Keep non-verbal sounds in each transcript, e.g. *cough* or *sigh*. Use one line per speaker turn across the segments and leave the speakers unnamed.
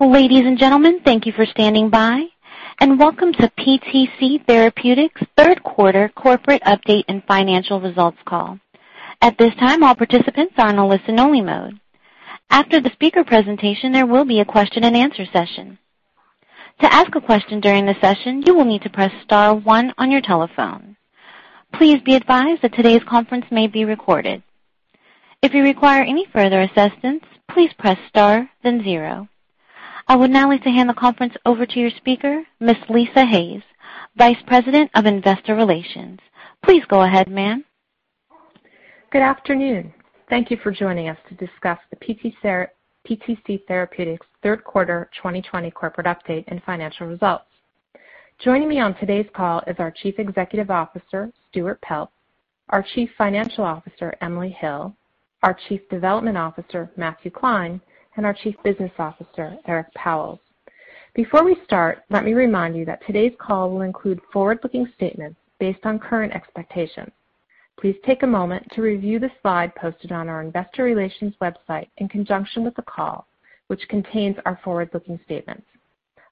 Ladies and gentlemen, thank you for standing by and welcome to PTC Therapeutics' third quarter corporate update and financial results call. At this time, all participants are in listen-only mode. After the speaker presentation, there will be a question and answer session. To ask a question during the session, you will need to press star one on your telephone. Please be advised that today's conference may be recorded. If you require any further assistance, please press star, then zero. I would now like to hand the conference over to your speaker, Ms. Lisa Hayes, Vice President of Investor Relations. Please go ahead, ma'am.
Good afternoon. Thank you for joining us to discuss the PTC Therapeutics third quarter 2020 corporate update and financial results. Joining me on today's call is our Chief Executive Officer, Stuart Peltz, our Chief Financial Officer, Emily Hill, our Chief Development Officer, Matthew Klein, and our Chief Business Officer, Eric Pauwels. Before we start, let me remind you that today's call will include forward-looking statements based on current expectations. Please take a moment to review the slide posted on our investor relations website in conjunction with the call, which contains our forward-looking statements.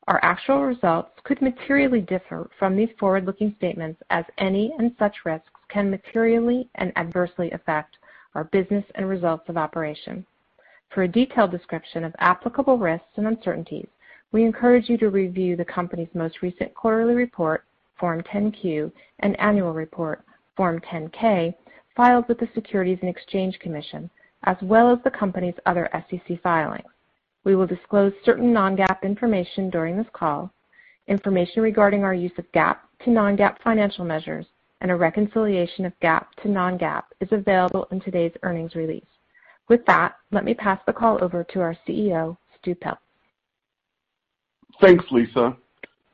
Our actual results could materially differ from these forward-looking statements, as any and such risks can materially and adversely affect our business and results of operation. For a detailed description of applicable risks and uncertainties, we encourage you to review the company's most recent quarterly report Form 10-Q, and annual report Form 10-K, filed with the Securities and Exchange Commission, as well as the company's other SEC filings. We will disclose certain non-GAAP information during this call. Information regarding our use of GAAP to non-GAAP financial measures and a reconciliation of GAAP to non-GAAP is available in today's earnings release. With that, let me pass the call over to our CEO, Stu Peltz.
Thanks, Lisa.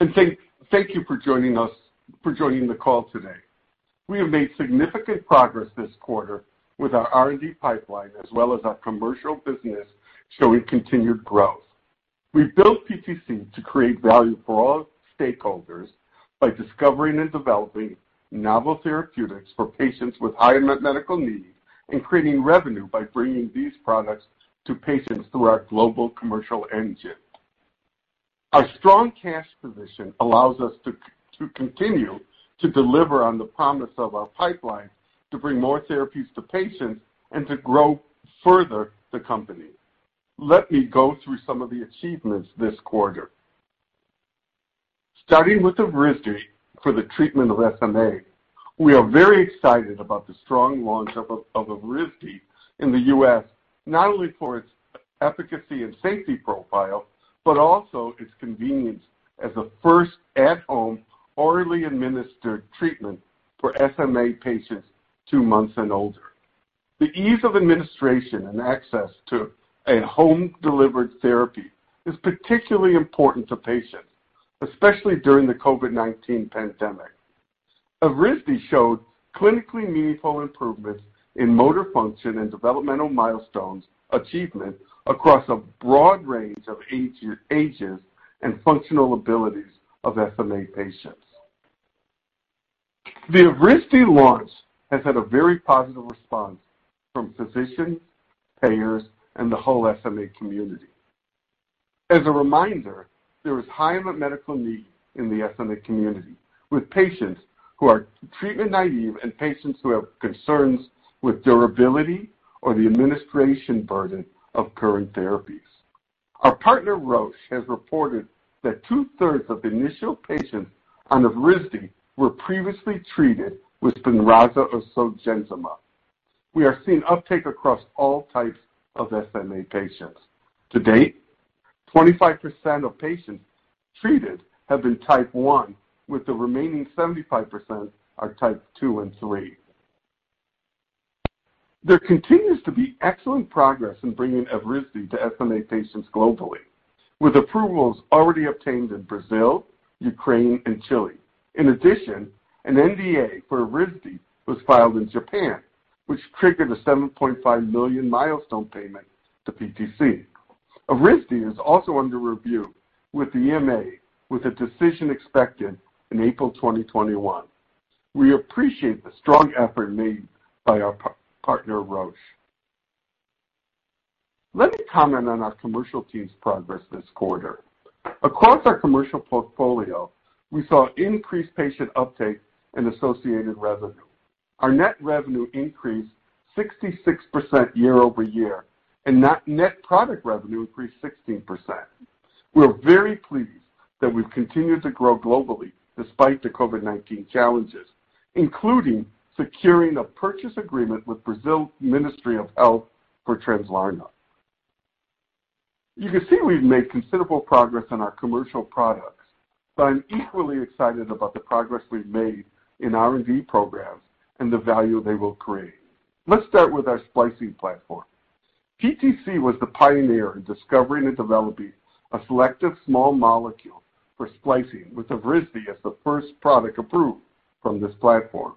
Thank you for joining the call today. We have made significant progress this quarter with our R&D pipeline as well as our commercial business showing continued growth. We built PTC to create value for all stakeholders by discovering and developing novel therapeutics for patients with high medical needs and creating revenue by bringing these products to patients through our global commercial engine. Our strong cash position allows us to continue to deliver on the promise of our pipeline, to bring more therapies to patients, and to grow further the company. Let me go through some of the achievements this quarter. Starting with EVRYSDI for the treatment of SMA. We are very excited about the strong launch of EVRYSDI in the U.S., not only for its efficacy and safety profile, but also its convenience as the first at home orally administered treatment for SMA patients two months and older. The ease of administration and access to a home-delivered therapy is particularly important to patients, especially during the COVID-19 pandemic. EVRYSDI showed clinically meaningful improvements in motor function and developmental milestones achievement across a broad range of ages and functional abilities of SMA patients. The EVRYSDI launch has had a very positive response from physicians, payers, and the whole SMA community. As a reminder, there is high medical need in the SMA community with patients who are treatment naive and patients who have concerns with durability or the administration burden of current therapies. Our partner, Roche, has reported that 2/3 of initial patients on EVRYSDI were previously treated with SPINRAZA or ZOLGENSMA. We are seeing uptake across all types of SMA patients. To date, 25% of patients treated have been Type 1, with the remaining 75% are Type 2 and 3. There continues to be excellent progress in bringing EVRYSDI to SMA patients globally, with approvals already obtained in Brazil, Ukraine, and Chile. In addition, an NDA for EVRYSDI was filed in Japan, which triggered a $7.5 million milestone payment to PTC. EVRYSDI is also under review with the EMA, with a decision expected in April 2021. We appreciate the strong effort made by our partner, Roche. Let me comment on our commercial team's progress this quarter. Across our commercial portfolio, we saw increased patient uptake and associated revenue. Our net revenue increased 66% year-over-year, net product revenue increased 16%. We're very pleased that we've continued to grow globally despite the COVID-19 challenges, including securing a purchase agreement with Brazil Ministry of Health for TRANSLARNA. You can see we've made considerable progress on our commercial products, but I'm equally excited about the progress we've made in R&D programs and the value they will create. Let's start with our splicing platform. PTC was the pioneer in discovering and developing a selective small molecule for splicing, with EVRYSDI as the first product approved from this platform.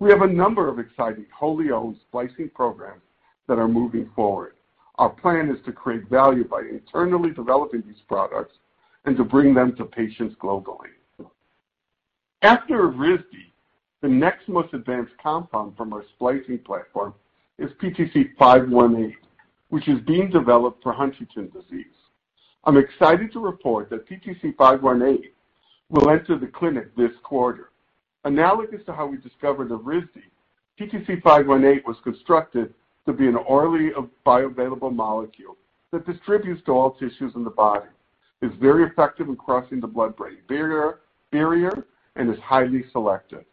We have a number of exciting, wholly owned splicing programs that are moving forward. Our plan is to create value by internally developing these products and to bring them to patients globally. After EVRYSDI, the next most advanced compound from our splicing platform is PTC518, which is being developed for Huntington's disease. I'm excited to report that PTC518 will enter the clinic this quarter. Analogous to how we discovered EVRYSDI, PTC518 was constructed to be an orally bioavailable molecule that distributes to all tissues in the body, is very effective in crossing the blood-brain barrier, and is highly selective.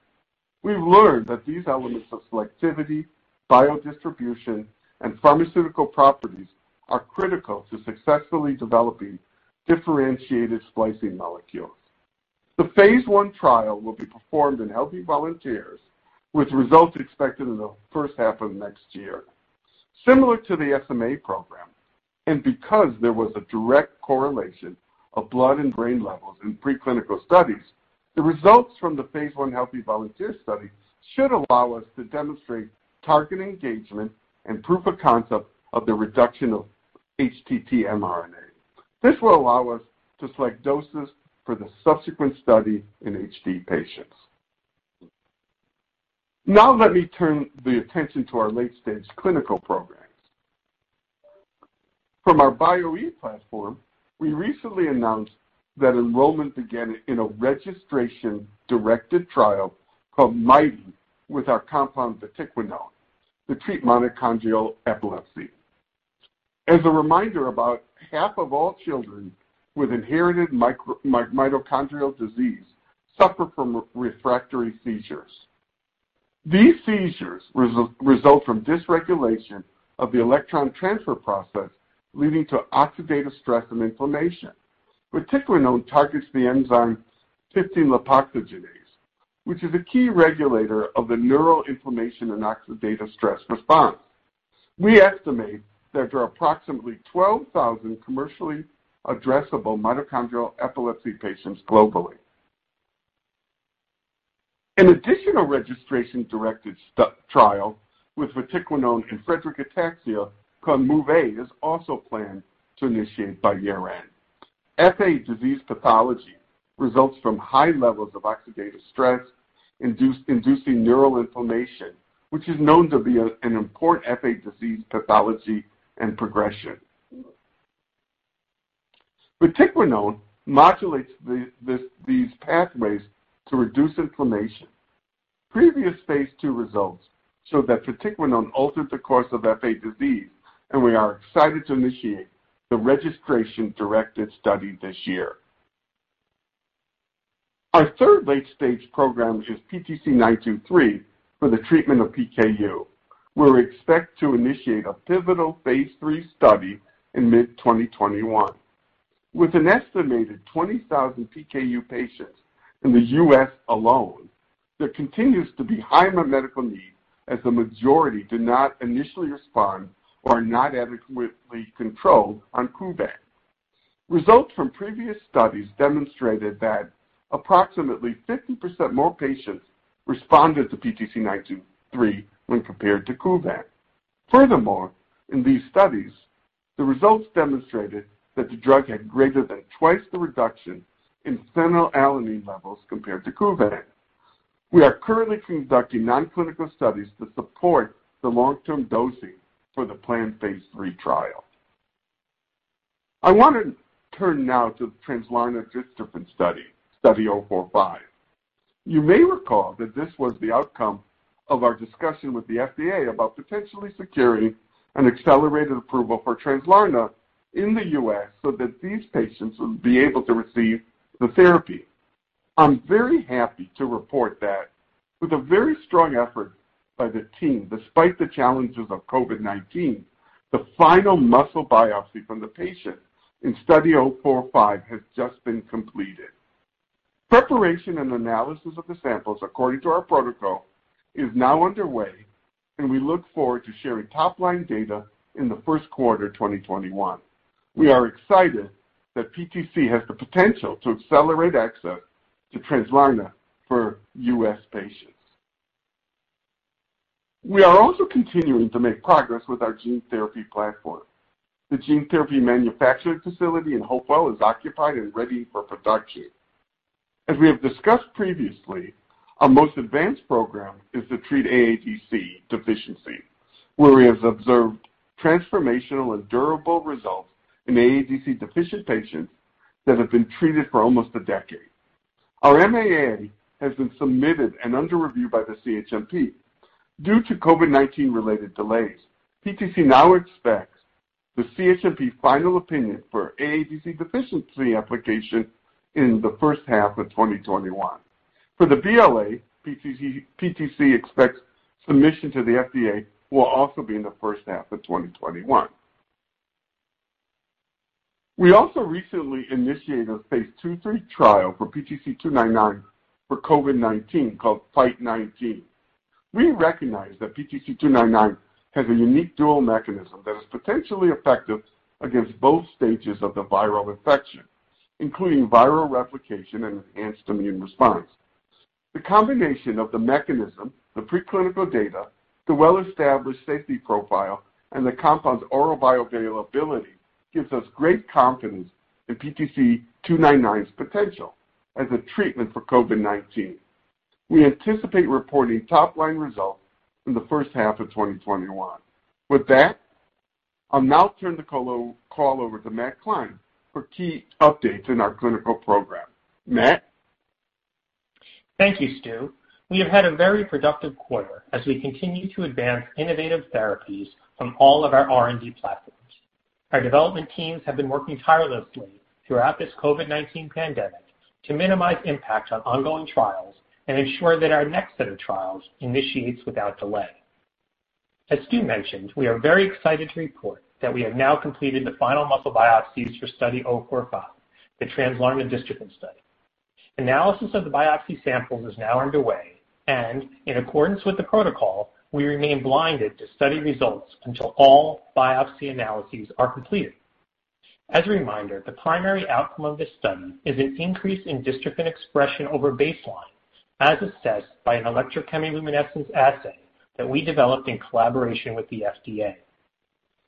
We've learned that these elements of selectivity, biodistribution, and pharmaceutical properties are critical to successfully developing differentiated splicing molecules. The phase I trial will be performed in healthy volunteers, with results expected in the first half of next year. Similar to the SMA program, and because there was a direct correlation of blood and brain levels in preclinical studies, the results from the phase I healthy volunteer study should allow us to demonstrate target engagement and proof of concept of the reduction of HTT mRNA. This will allow us to select doses for the subsequent study in HD patients. Let me turn the attention to our late-stage clinical programs. From our Bio-E platform, we recently announced that enrollment began in a registration-directed trial called MIGHTY with our compound, vatiquinone, to treat mitochondrial epilepsy. As a reminder, about half of all children with inherited mitochondrial disease suffer from refractory seizures. These seizures result from dysregulation of the electron transfer process, leading to oxidative stress and inflammation. Vatiquinone targets the enzyme 15-lipoxygenase, which is a key regulator of the neural inflammation and oxidative stress response. We estimate that there are approximately 12,000 commercially addressable mitochondrial epilepsy patients globally. An additional registration-directed trial with vatiquinone in Friedreich's ataxia called MOVE-FA is also planned to initiate by year-end. FA disease pathology results from high levels of oxidative stress inducing neural inflammation, which is known to be an important FA disease pathology and progression. Vatiquinone modulates these pathways to reduce inflammation. Previous phase II results show that vatiquinone alters the course of FA disease, and we are excited to initiate the registration-directed study this year. Our third late-stage program, which is PTC923 for the treatment of PKU, we expect to initiate a pivotal phase III study in mid-2021. With an estimated 20,000 PKU patients in the U.S. alone, there continues to be high medical need as the majority do not initially respond or are not adequately controlled on KUVAN. Results from previous studies demonstrated that approximately 50% more patients responded to PTC923 when compared to KUVAN. Furthermore, in these studies, the results demonstrated that the drug had greater than twice the reduction in phenylalanine levels compared to KUVAN. We are currently conducting non-clinical studies to support the long-term dosing for the planned phase III trial. I want to turn now to the TRANSLARNA dystrophin study, Study 045. You may recall that this was the outcome of our discussion with the FDA about potentially securing an accelerated approval forTRANSLARNA in the U.S. so that these patients would be able to receive the therapy. I'm very happy to report that with a very strong effort by the team, despite the challenges of COVID-19, the final muscle biopsy from the patient in Study 045 has just been completed. Preparation and analysis of the samples according to our protocol is now underway, and we look forward to sharing top-line data in the first quarter 2021. We are excited that PTC has the potential to accelerate access toTRANSLARNA for U.S. patients. We are also continuing to make progress with our gene therapy platform. The gene therapy manufacturing facility in Hopewell is occupied and ready for production. As we have discussed previously, our most advanced program is to treat AADC deficiency, where we have observed transformational and durable results in AADC-deficient patients that have been treated for almost a decade. Our MAA has been submitted and under review by the CHMP. Due to COVID-19 related delays, PTC now expects the CHMP final opinion for AADC deficiency application in the first half of 2021. For the BLA, PTC expects submission to the FDA will also be in the first half of 2021. We also recently initiated a phase II/III trial for PTC299 for COVID-19 called FITE19. We recognize that PTC299 has a unique dual mechanism that is potentially effective against both stages of the viral infection, including viral replication and enhanced immune response. The combination of the mechanism, the preclinical data, the well-established safety profile, and the compound's oral bioavailability gives us great confidence in PTC299's potential as a treatment for COVID-19. We anticipate reporting top-line results in the first half of 2021. With that, I'll now turn the call over to Matt Klein for key updates in our clinical program. Matt?
Thank you, Stu. We have had a very productive quarter as we continue to advance innovative therapies from all of our R&D platforms. Our development teams have been working tirelessly throughout this COVID-19 pandemic to minimize impact on ongoing trials and ensure that our next set of trials initiates without delay. As Stu mentioned, we are very excited to report that we have now completed the final muscle biopsies for Study 045, theTRANSLARNA dystrophin study. Analysis of the biopsy samples is now underway, and in accordance with the protocol, we remain blinded to study results until all biopsy analyses are completed. As a reminder, the primary outcome of this study is an increase in dystrophin expression over baseline, as assessed by an electrochemiluminescence assay that we developed in collaboration with the FDA.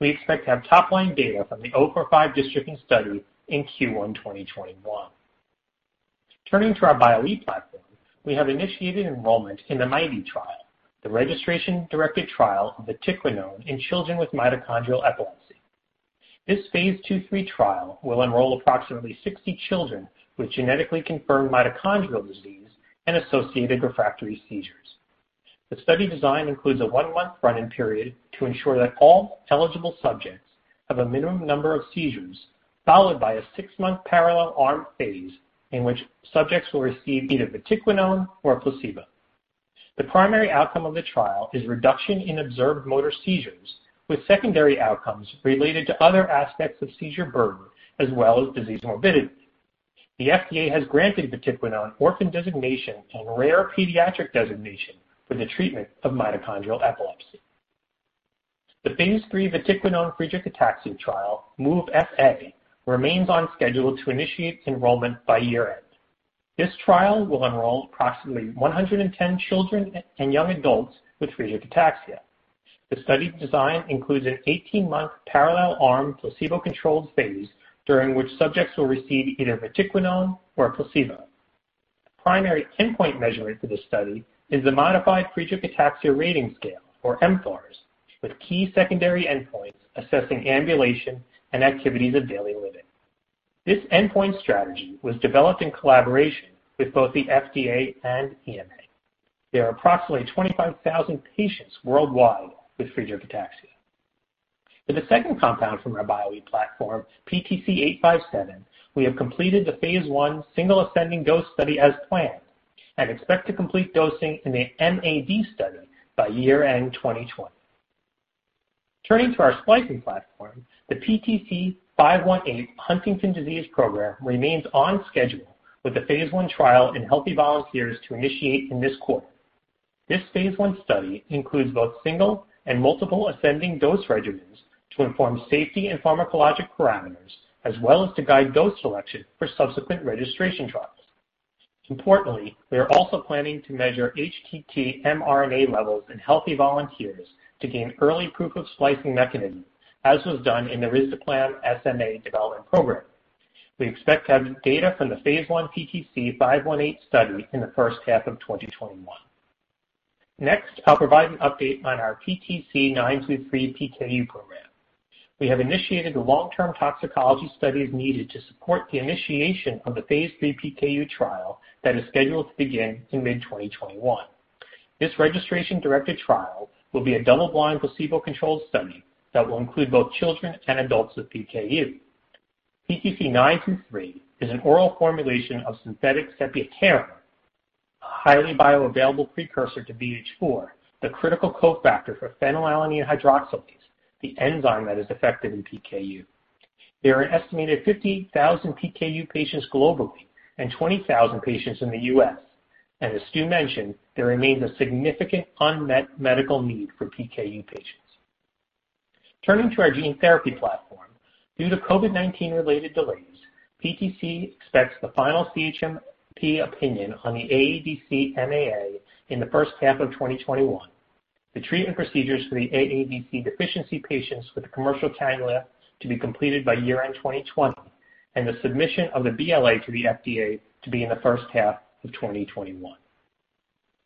We expect to have top-line data from the Study 045 dystrophin study in Q1 2021. Turning to our Bio-e platform, we have initiated enrollment in the MIGHTY trial, the registration-directed trial of vatiquinone in children with mitochondrial epilepsy. This phase II/III trial will enroll approximately 60 children with genetically confirmed mitochondrial disease and associated refractory seizures. The study design includes a one-month run-in period to ensure that all eligible subjects have a minimum number of seizures, followed by a six-month parallel arm phase in which subjects will receive either vatiquinone or a placebo. The primary outcome of the trial is reduction in observed motor seizures, with secondary outcomes related to other aspects of seizure burden, as well as disease morbidity. The FDA has granted vatiquinone orphan designation and rare pediatric designation for the treatment of mitochondrial epilepsy. The phase III vatiquinone Friedreich's ataxia trial, MOVE-FA, remains on schedule to initiate enrollment by year-end. This trial will enroll approximately 110 children and young adults with Friedreich's ataxia. The study design includes an 18-month parallel arm, placebo-controlled phase during which subjects will receive either vatiquinone or a placebo. The primary endpoint measurement for this study is the modified Friedreich's Ataxia Rating Scale, or mFARS, with key secondary endpoints assessing ambulation and activities of daily living. This endpoint strategy was developed in collaboration with both the FDA and EMA. There are approximately 25,000 patients worldwide with Friedreich's ataxia. For the second compound from our Bio-e platform, PTC857, we have completed the phase I single ascending dose study as planned and expect to complete dosing in the MAD study by year-end 2020. Turning to our splicing platform, the PTC518 Huntington's disease program remains on schedule with the phase I trial in healthy volunteers to initiate in this quarter. This phase I study includes both single and multiple ascending dose regimens to inform safety and pharmacologic parameters, as well as to guide dose selection for subsequent registration trials. Importantly, we are also planning to measure HTT mRNA levels in healthy volunteers to gain early proof of splicing mechanism, as was done in the risdiplam SMA development program. We expect to have data from the phase I PTC518 study in the first half of 2021. Next, I'll provide an update on our PTC923 PKU program. We have initiated the long-term toxicology studies needed to support the initiation of the phase III PKU trial that is scheduled to begin in mid-2021. This registration-directed trial will be a double-blind, placebo-controlled study that will include both children and adults with PKU. PTC923 is an oral formulation of synthetic sepiapterin, a highly bioavailable precursor to BH4, the critical cofactor for phenylalanine hydroxylase, the enzyme that is affected in PKU. There are an estimated 50,000 PKU patients globally and 20,000 patients in the U.S., and as Stu mentioned, there remains a significant unmet medical need for PKU patients. Turning to our gene therapy platform, due to COVID-19 related delays, PTC expects the final CHMP opinion on the AADC MAA in the first half of 2021. The treatment procedures for the AADC deficiency patients with the commercial timeline to be completed by year-end 2020, and the submission of the BLA to the FDA to be in the first half of 2021.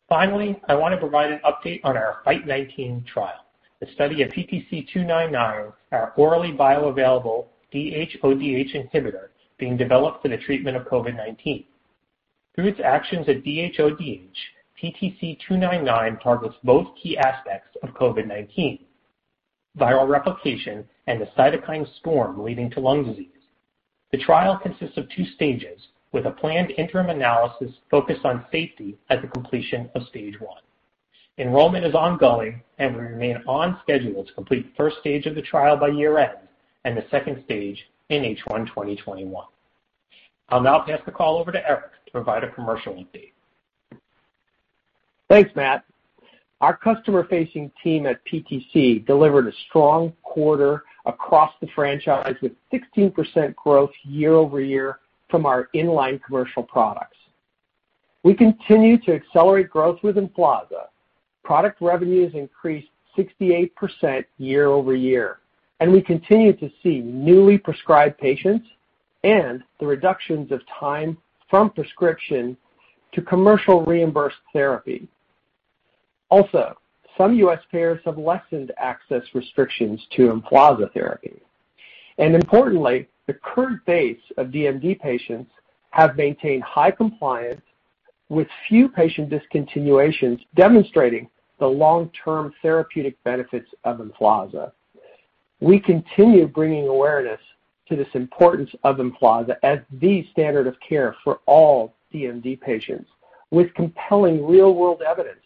Finally, I want to provide an update on our FITE19 trial. The study of PTC299, our orally bioavailable DHODH inhibitor being developed for the treatment of COVID-19. Through its actions at DHODH, PTC299 targets both key aspects of COVID-19, viral replication, and the cytokine storm leading to lung disease. The trial consists of two stages, with a planned interim analysis focused on safety at the completion of Stage 1. Enrollment is ongoing, and we remain on schedule to complete the first stage of the trial by year-end and the second stage in H1 2021. I'll now pass the call over to Eric to provide a commercial update.
Thanks, Matt. Our customer-facing team at PTC delivered a strong quarter across the franchise with 16% growth year-over-year from our in-line commercial products. We continue to accelerate growth with EMFLAZA. Product revenues increased 68% year-over-year. We continue to see newly prescribed patients and the reductions of time from prescription to commercial reimbursed therapy. Some U.S. payers have lessened access restrictions to EMFLAZA therapy. Importantly, the current base of DMD patients have maintained high compliance with few patient discontinuations, demonstrating the long-term therapeutic benefits of EMFLAZA. We continue bringing awareness to this importance of EMFLAZA as the standard of care for all DMD patients with compelling real-world evidence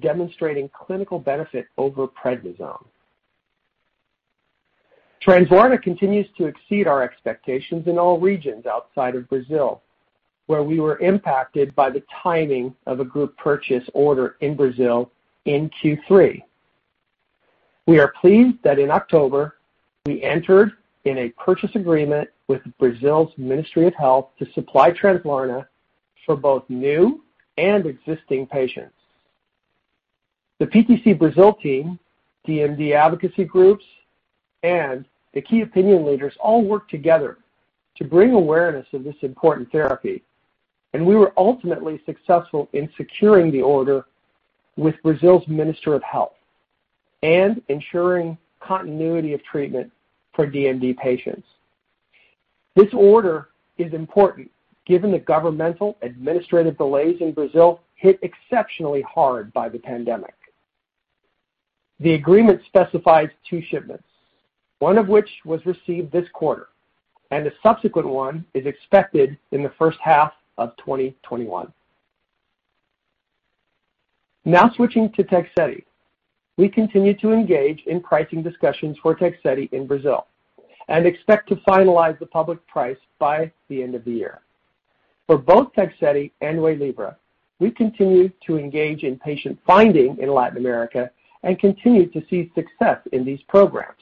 demonstrating clinical benefit over prednisone. TRANSLARNA continues to exceed our expectations in all regions outside of Brazil, where we were impacted by the timing of a group purchase order in Brazil in Q3. We are pleased that in October, we entered in a purchase agreement with Brazil's Ministry of Health to supplyTRANSLARNA for both new and existing patients. The PTC Brazil team, DMD advocacy groups, and the key opinion leaders all work together to bring awareness of this important therapy, and we were ultimately successful in securing the order with Brazil's Minister of Health and ensuring continuity of treatment for DMD patients. This order is important given the governmental administrative delays in Brazil hit exceptionally hard by the pandemic. The agreement specifies two shipments, one of which was received this quarter, and the subsequent one is expected in the first half of 2021. Now switching to TEGSEDI. We continue to engage in pricing discussions for TEGSEDI in Brazil and expect to finalize the public price by the end of the year. For both TEGSEDI and WAYLIVRA, we continue to engage in patient finding in Latin America and continue to see success in these programs.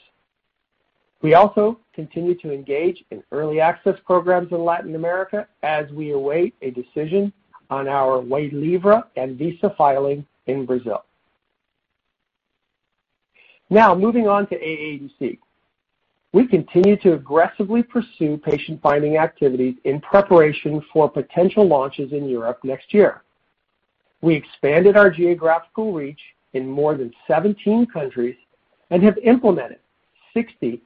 We also continue to engage in early access programs in Latin America as we await a decision on our WAYLIVRA ANVISA filing in Brazil. Moving on to AADC. We continue to aggressively pursue patient-finding activities in preparation for potential launches in Europe next year. We expanded our geographical reach in more than 17 countries and have implemented 60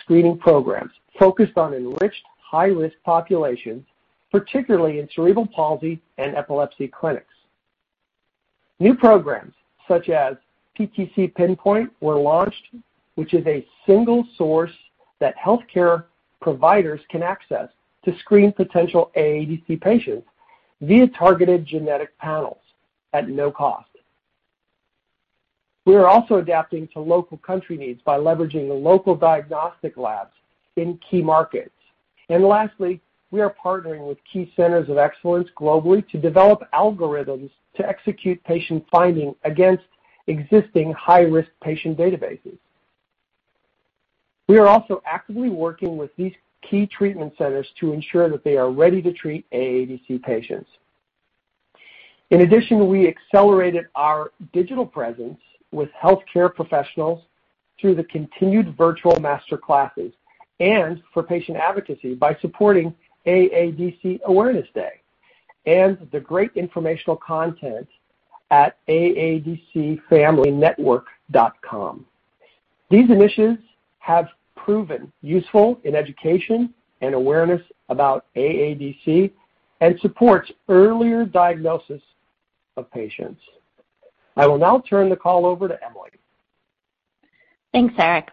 screening programs focused on enriched high-risk populations, particularly in cerebral palsy and epilepsy clinics. New programs such as PTC PINPOINT were launched, which is a single source that healthcare providers can access to screen potential AADC patients via targeted genetic panels at no cost. We are also adapting to local country needs by leveraging the local diagnostic labs in key markets. Lastly, we are partnering with key centers of excellence globally to develop algorithms to execute patient finding against existing high-risk patient databases. We are also actively working with these key treatment centers to ensure that they are ready to treat AADC patients. In addition, we accelerated our digital presence with healthcare professionals through the continued virtual master classes and for patient advocacy by supporting AADC Awareness Day and the great informational content at aadcfamilynetwork.com. These initiatives have proven useful in education and awareness about AADC and supports earlier diagnosis of patients. I will now turn the call over to Emily.
Thanks, Eric.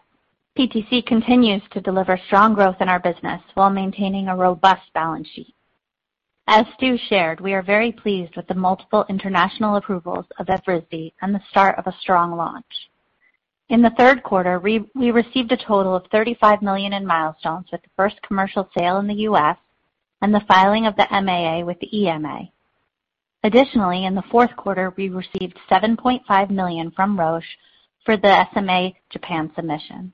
PTC continues to deliver strong growth in our business while maintaining a robust balance sheet. As Stu shared, we are very pleased with the multiple international approvals of EVRYSDI and the start of a strong launch. In the third quarter, we received a total of $35 million in milestones with the first commercial sale in the U.S. and the filing of the MAA with the EMA. Additionally, in the fourth quarter, we received $7.5 million from Roche for the SMA Japan submission.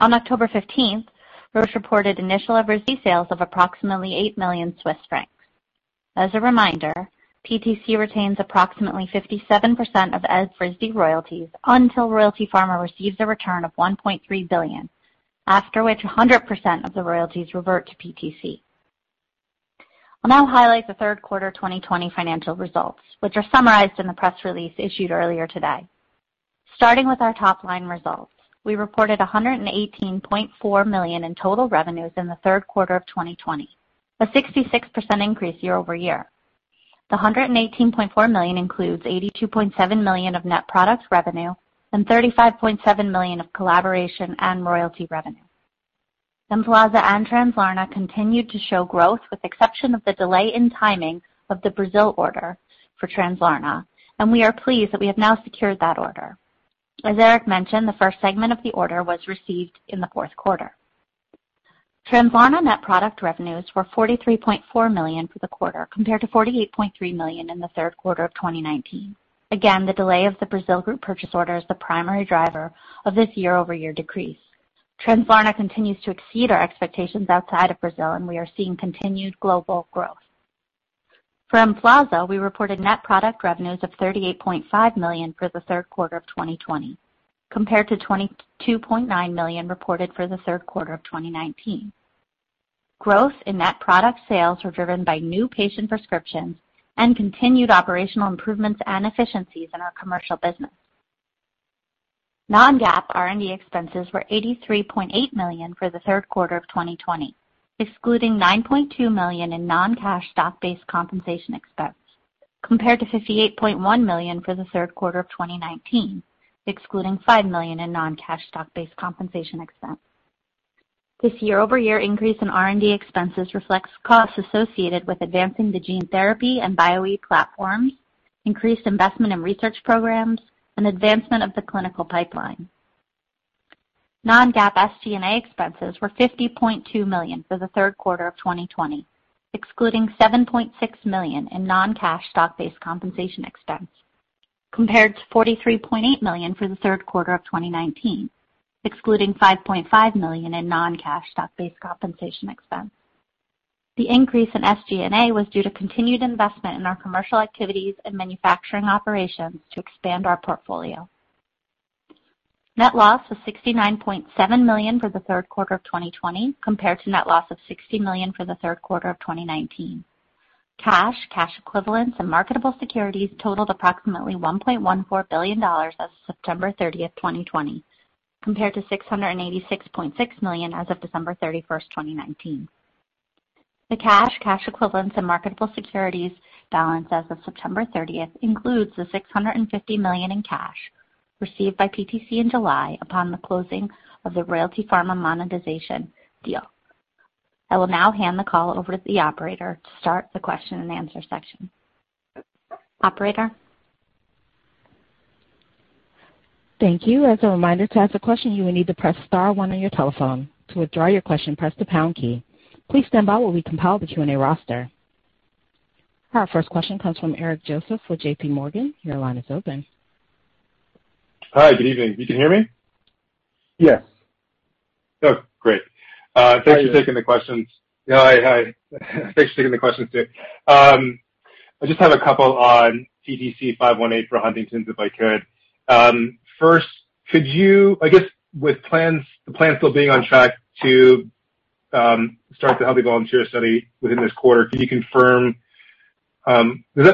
On October 15th, Roche reported initial EVRYSDI sales of approximately 8 million Swiss francs. As a reminder, PTC retains approximately 57% of EVRYSDI royalties until Royalty Pharma receives a return of $1.3 billion, after which 100% of the royalties revert to PTC. I'll now highlight the third quarter 2020 financial results, which are summarized in the press release issued earlier today. Starting with our top-line results, we reported $118.4 million in total revenues in the third quarter of 2020, a 66% increase year-over-year. The $118.4 million includes $82.7 million of net product revenue and $35.7 million of collaboration and royalty revenue. EMFLAZA andTRANSLARNA continued to show growth with exception of the delay in timing of the Brazil order forTRANSLARNA. We are pleased that we have now secured that order. As Eric mentioned, the first segment of the order was received in the fourth quarter. TRANSLARNA net product revenues were $43.4 million for the quarter, compared to $48.3 million in the third quarter of 2019. Again, the delay of the Brazil group purchase order is the primary driver of this year-over-year decrease. TRANSLARNA continues to exceed our expectations outside of Brazil. We are seeing continued global growth. For EMFLAZA, we reported net product revenues of $38.5 million for the third quarter of 2020, compared to $22.9 million reported for the third quarter of 2019. Growth in net product sales were driven by new patient prescriptions and continued operational improvements and efficiencies in our commercial business. Non-GAAP R&D expenses were $83.8 million for the third quarter of 2020, excluding $9.2 million in non-cash stock-based compensation expense, compared to $58.1 million for the third quarter of 2019, excluding $5 million in non-cash stock-based compensation expense. This year-over-year increase in R&D expenses reflects costs associated with advancing the gene therapy and Bio-e platforms, increased investment in research programs, and advancement of the clinical pipeline. Non-GAAP SG&A expenses were $50.2 million for the third quarter of 2020, excluding $7.6 million in non-cash stock-based compensation expense, compared to $43.8 million for the third quarter of 2019, excluding $5.5 million in non-cash stock-based compensation expense. The increase in SG&A was due to continued investment in our commercial activities and manufacturing operations to expand our portfolio. Net loss was $69.7 million for the third quarter of 2020, compared to net loss of $60 million for the third quarter of 2019. Cash, cash equivalents, and marketable securities totaled approximately $1.14 billion as of September 30th, 2020, compared to $686.6 million as of December 31st, 2019. The cash, cash equivalents, and marketable securities balance as of September 30th includes the $650 million in cash received by PTC in July upon the closing of the Royalty Pharma monetization deal. I will now hand the call over to the operator to start the question and answer section. Operator?
Thank you. As a reminder, to ask a question you will need to press star one on your telephone. To withdraw your question, press the pound key. Please stand-by while we compile the Q&A roster. Our first question comes from Eric Joseph with JPMorgan. Your line is open.
Hi, good evening. You can hear me?
Yes.
Oh, great.
Hi, Eric.
Thanks for taking the questions. Yeah, hi. Thanks for taking the questions too. I just have a couple on PTC518 for Huntington's, if I could. First, I guess with the plans still being on track to start the healthy volunteer study within this quarter, does that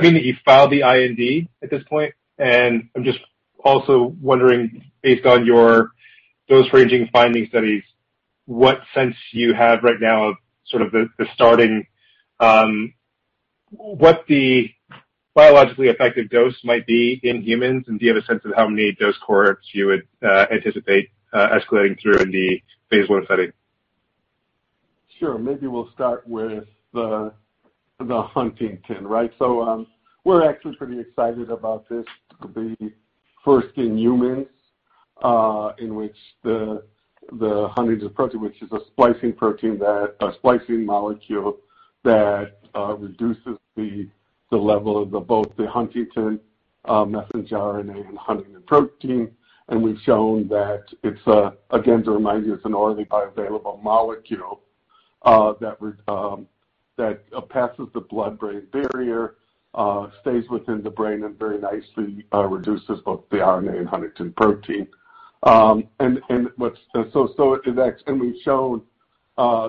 mean that you filed the IND at this point? I'm just also wondering, based on your dose ranging finding studies, what sense you have right now of the biologically effective dose might be in humans, and do you have a sense of how many dose cohorts you would anticipate escalating through in the phase I setting?
Sure. Maybe we'll start with the Huntington's, right? We're actually pretty excited about this being first in humans, in which the [huntingtin protein], which is a splicing molecule that reduces the level of both the huntingtin messenger RNA and huntingtin protein. We've shown that it's, again, to remind you, it's an orally bioavailable molecule that passes the blood-brain barrier, stays within the brain, and very nicely reduces both the RNA and huntingtin protein. We've shown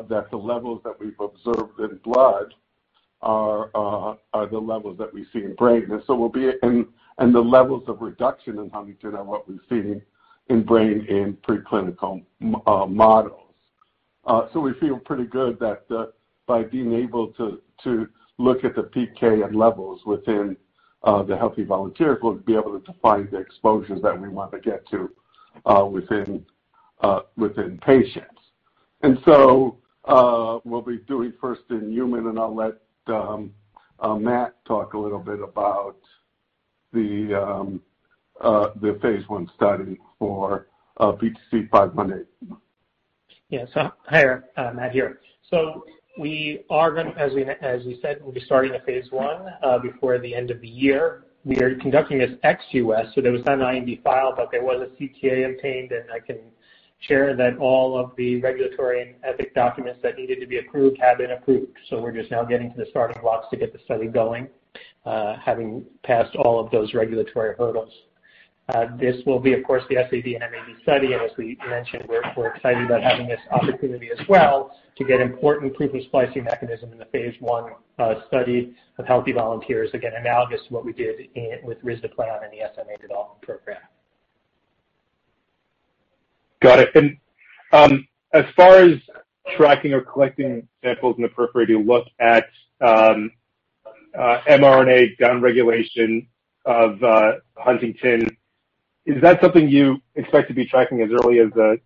that the levels that we've observed in blood are the levels that we see in brain, and the levels of reduction in huntingtin are what we've seen in brain in preclinical models. We feel pretty good that by being able to look at the PK and levels within the healthy volunteers, we'll be able to define the exposures that we want to get to within patients. We'll be doing first in human, and I'll let Matt talk a little bit about the phase I study for PTC518.
Yes. Hi, Eric. Matt here. As we said, we'll be starting a phase I before the end of the year. We are conducting this ex U.S., so there was no IND filed, but there was a CTA obtained, and I can share that all of the regulatory and ethic documents that needed to be approved have been approved. We're just now getting to the starting blocks to get the study going, having passed all of those regulatory hurdles. This will be, of course, the SAD and MAD study, and as we mentioned, we're excited about having this opportunity as well to get important proof of splicing mechanism in the phase I study of healthy volunteers. Again, analogous to what we did with risdiplam in the SMA development program.
Got it. As far as tracking or collecting samples in the periphery to look at mRNA downregulation of huntingtin, is that something you expect to be tracking as early as the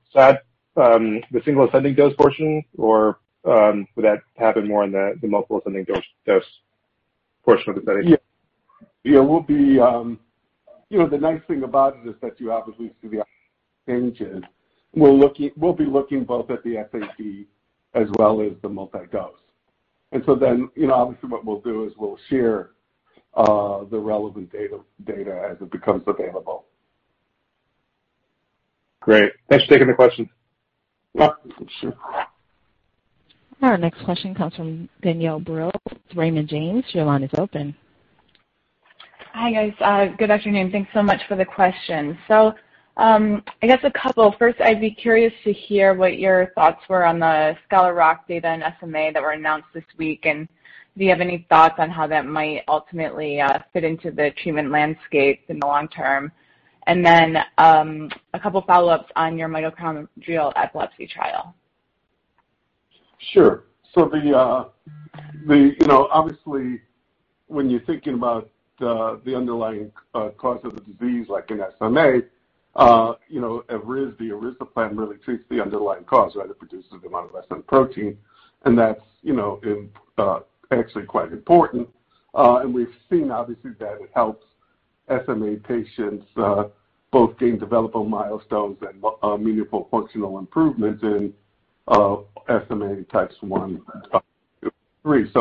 single ascending dose portion, or would that happen more in the multiple ascending dose portion of the study?
Yeah. The nice thing about it is that you obviously see the changes. We'll be looking both at the SAD as well as the multi-dose. Obviously what we'll do is we'll share the relevant data as it becomes available.
Great. Thanks for taking the question.
Yeah. Sure.
Our next question comes from Danielle Brill, Raymond James. Your line is open.
Hi, guys. Good afternoon. Thanks so much for the questions. I guess a couple. First, I'd be curious to hear what your thoughts were on the Scholar Rock data in SMA that were announced this week, and do you have any thoughts on how that might ultimately fit into the treatment landscape in the long term? A couple follow-ups on your mitochondrial epilepsy trial.
Sure. Obviously, when you're thinking about the underlying cause of the disease, like in SMA, the risdiplam really treats the underlying cause, right? It reduces the amount of SMN protein, and that's actually quite important. We've seen, obviously, that it helps SMA patients both gain developmental milestones and meaningful functional improvements in SMA Types 1, 2, 3.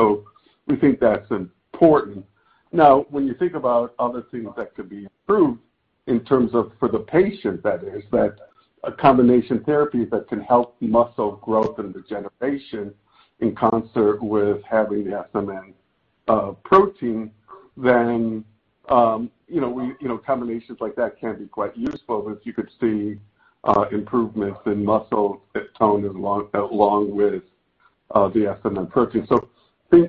We think that's important. When you think about other things that could be improved in terms of, for the patient, that is, that a combination therapy that can help muscle growth and degeneration in concert with having the SMN protein, combinations like that can be quite useful because you could see improvements in muscle tone along with the SMN protein.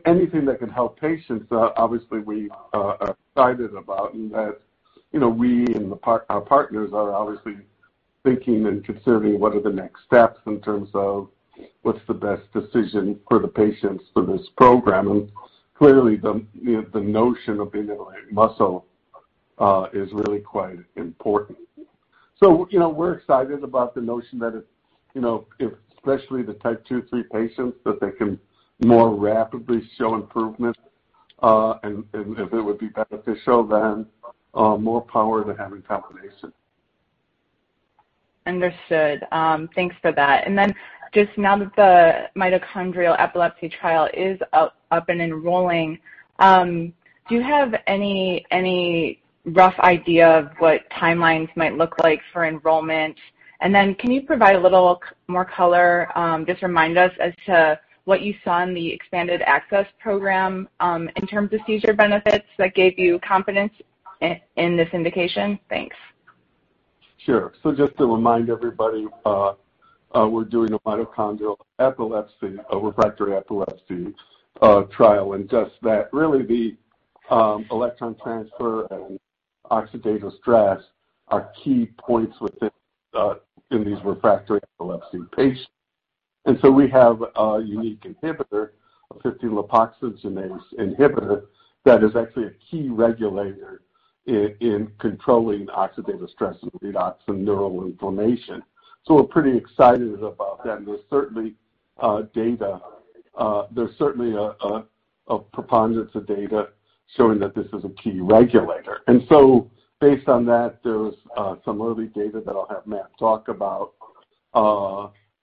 Anything that can help patients, obviously we are excited about and as our partners are obviously thinking and considering what are the next steps in terms of what's the best decision for the patients for this program. Clearly, the notion of being able to have muscle is really quite important. We're excited about the notion that if, especially the Type 2, 3 patients, that they can more rapidly show improvement, and if it would be beneficial, then more power to having combination.
Understood. Thanks for that. Just now that the mitochondrial epilepsy trial is up and enrolling, do you have any rough idea of what timelines might look like for enrollment? Can you provide a little more color, just remind us as to what you saw in the expanded access program, in terms of seizure benefits that gave you confidence in this indication? Thanks.
Sure. Just to remind everybody, we're doing a mitochondrial epilepsy, a refractory epilepsy trial, and just that really the electron transfer and oxidative stress are key points within these refractory epilepsy patients. We have a unique inhibitor, a 15-lipoxygenase inhibitor, that is actually a key regulator in controlling oxidative stress and redox and neural inflammation. We're pretty excited about that. There's certainly a preponderance of data showing that this is a key regulator. Based on that, there's some early data that I'll have Matt talk about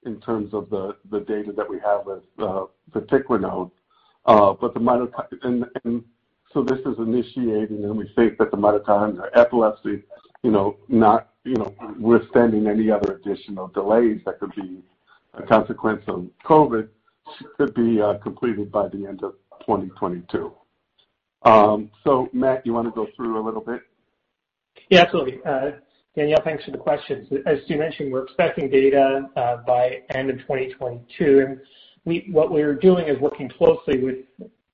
in terms of the data that we have with the vatiquinone. This is initiating, and we think that the mitochondrial epilepsy, notwithstanding any other additional delays that could be a consequence of COVID, could be completed by the end of 2022. Matt, do you want to go through a little bit?
Yeah, absolutely. Danielle, thanks for the questions. As you mentioned, we're expecting data by end of 2022. What we are doing is working closely with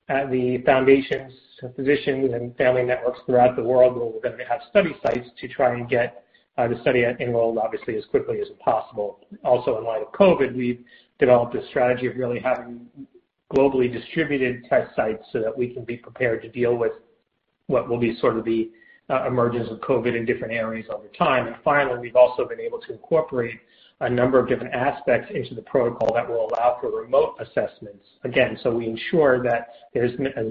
the foundations, physicians, and family networks throughout the world where we're going to have study sites to try and get the study enrolled, obviously as quickly as possible. Also in light of COVID, we've developed a strategy of really having globally distributed test sites so that we can be prepared to deal with what will be sort of the emergence of COVID in different areas over time. Finally, we've also been able to incorporate a number of different aspects into the protocol that will allow for remote assessments, again, so we ensure that there's as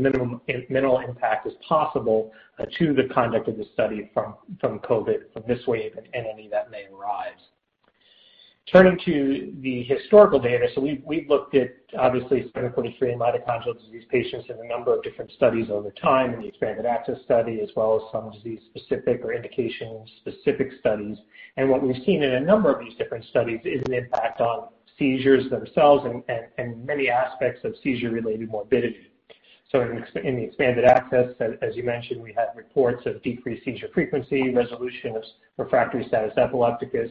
minimal impact as possible to the conduct of the study from COVID from this wave and any that may arise. Turning to the historical data, we've looked at, obviously, spinocerebellar mitochondrial disease patients in a number of different studies over time in the expanded access study, as well as some disease-specific or indication-specific studies. What we've seen in a number of these different studies is an impact on seizures themselves and many aspects of seizure-related morbidity. In the expanded access, as you mentioned, we had reports of decreased seizure frequency, resolution of refractory status epilepticus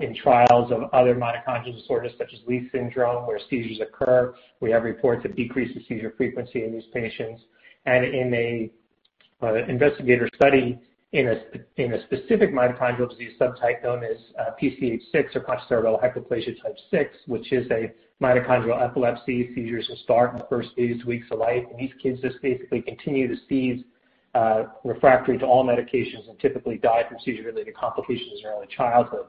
in trials of other mitochondrial disorders such as Leigh syndrome, where seizures occur. We have reports of decreases seizure frequency in these patients. In an investigator study in a specific mitochondrial disease subtype known as PCH6, or pontocerebellar hypoplasia type 6, which is a mitochondrial epilepsy. Seizures will start in the first few weeks of life, and these kids just basically continue to seize, refractory to all medications, and typically die from seizure-related complications in early childhood.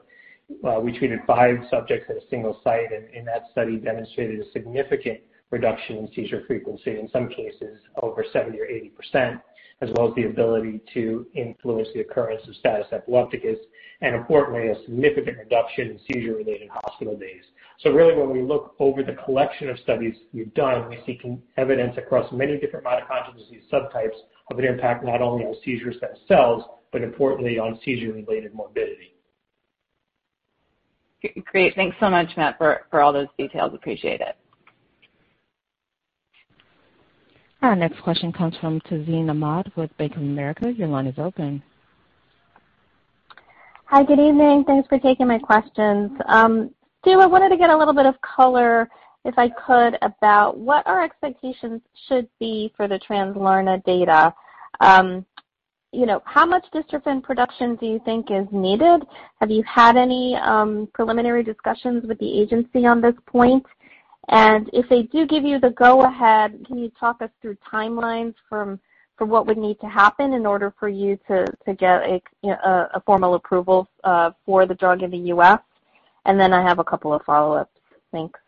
We treated five subjects at a single site, and in that study demonstrated a significant reduction in seizure frequency, in some cases over 70% or 80%, as well as the ability to influence the occurrence of status epilepticus and importantly, a significant reduction in seizure-related hospital days. Really when we look over the collection of studies we've done, we're seeing evidence across many different mitochondrial disease subtypes of an impact not only on seizures themselves, but importantly on seizure-related morbidity.
Great. Thanks so much, Matt, for all those details. Appreciate it.
Our next question comes from Tazeen Ahmad with Bank of America. Your line is open.
Hi. Good evening. Thanks for taking my questions. Stu, I wanted to get a little bit of color, if I could, about what our expectations should be for theTRANSLARNA data. How much dystrophin production do you think is needed? Have you had any preliminary discussions with the agency on this point? If they do give you the go ahead, can you talk us through timelines for what would need to happen in order for you to get a formal approval for the drug in the U.S.? I have a couple of follow-ups. Thanks.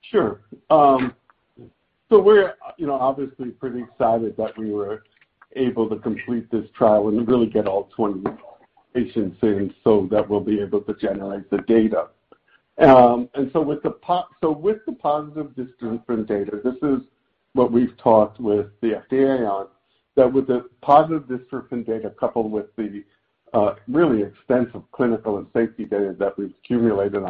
Sure. We're obviously pretty excited that we were able to complete this trial and really get all 20 patients in so that we'll be able to generate the data. With the positive dystrophin data, this is what we've talked with the FDA on, that with the positive dystrophin data coupled with the really extensive clinical and safety data that we've accumulated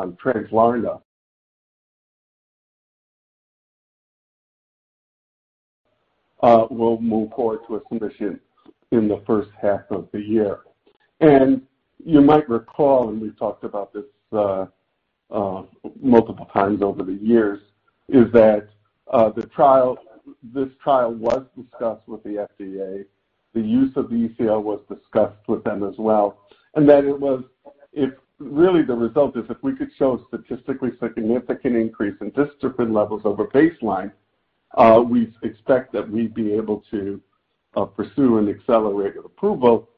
onTRANSLARNA, we'll move forward to a submission in the first half of the year. You might recall, and we've talked about this multiple times over the years, is that this trial was discussed with the FDA, the use of the ECL was discussed with them as well, and that really the result is if we could show a statistically significant increase in dystrophin levels over baseline, we expect that we'd be able to pursue an accelerated approval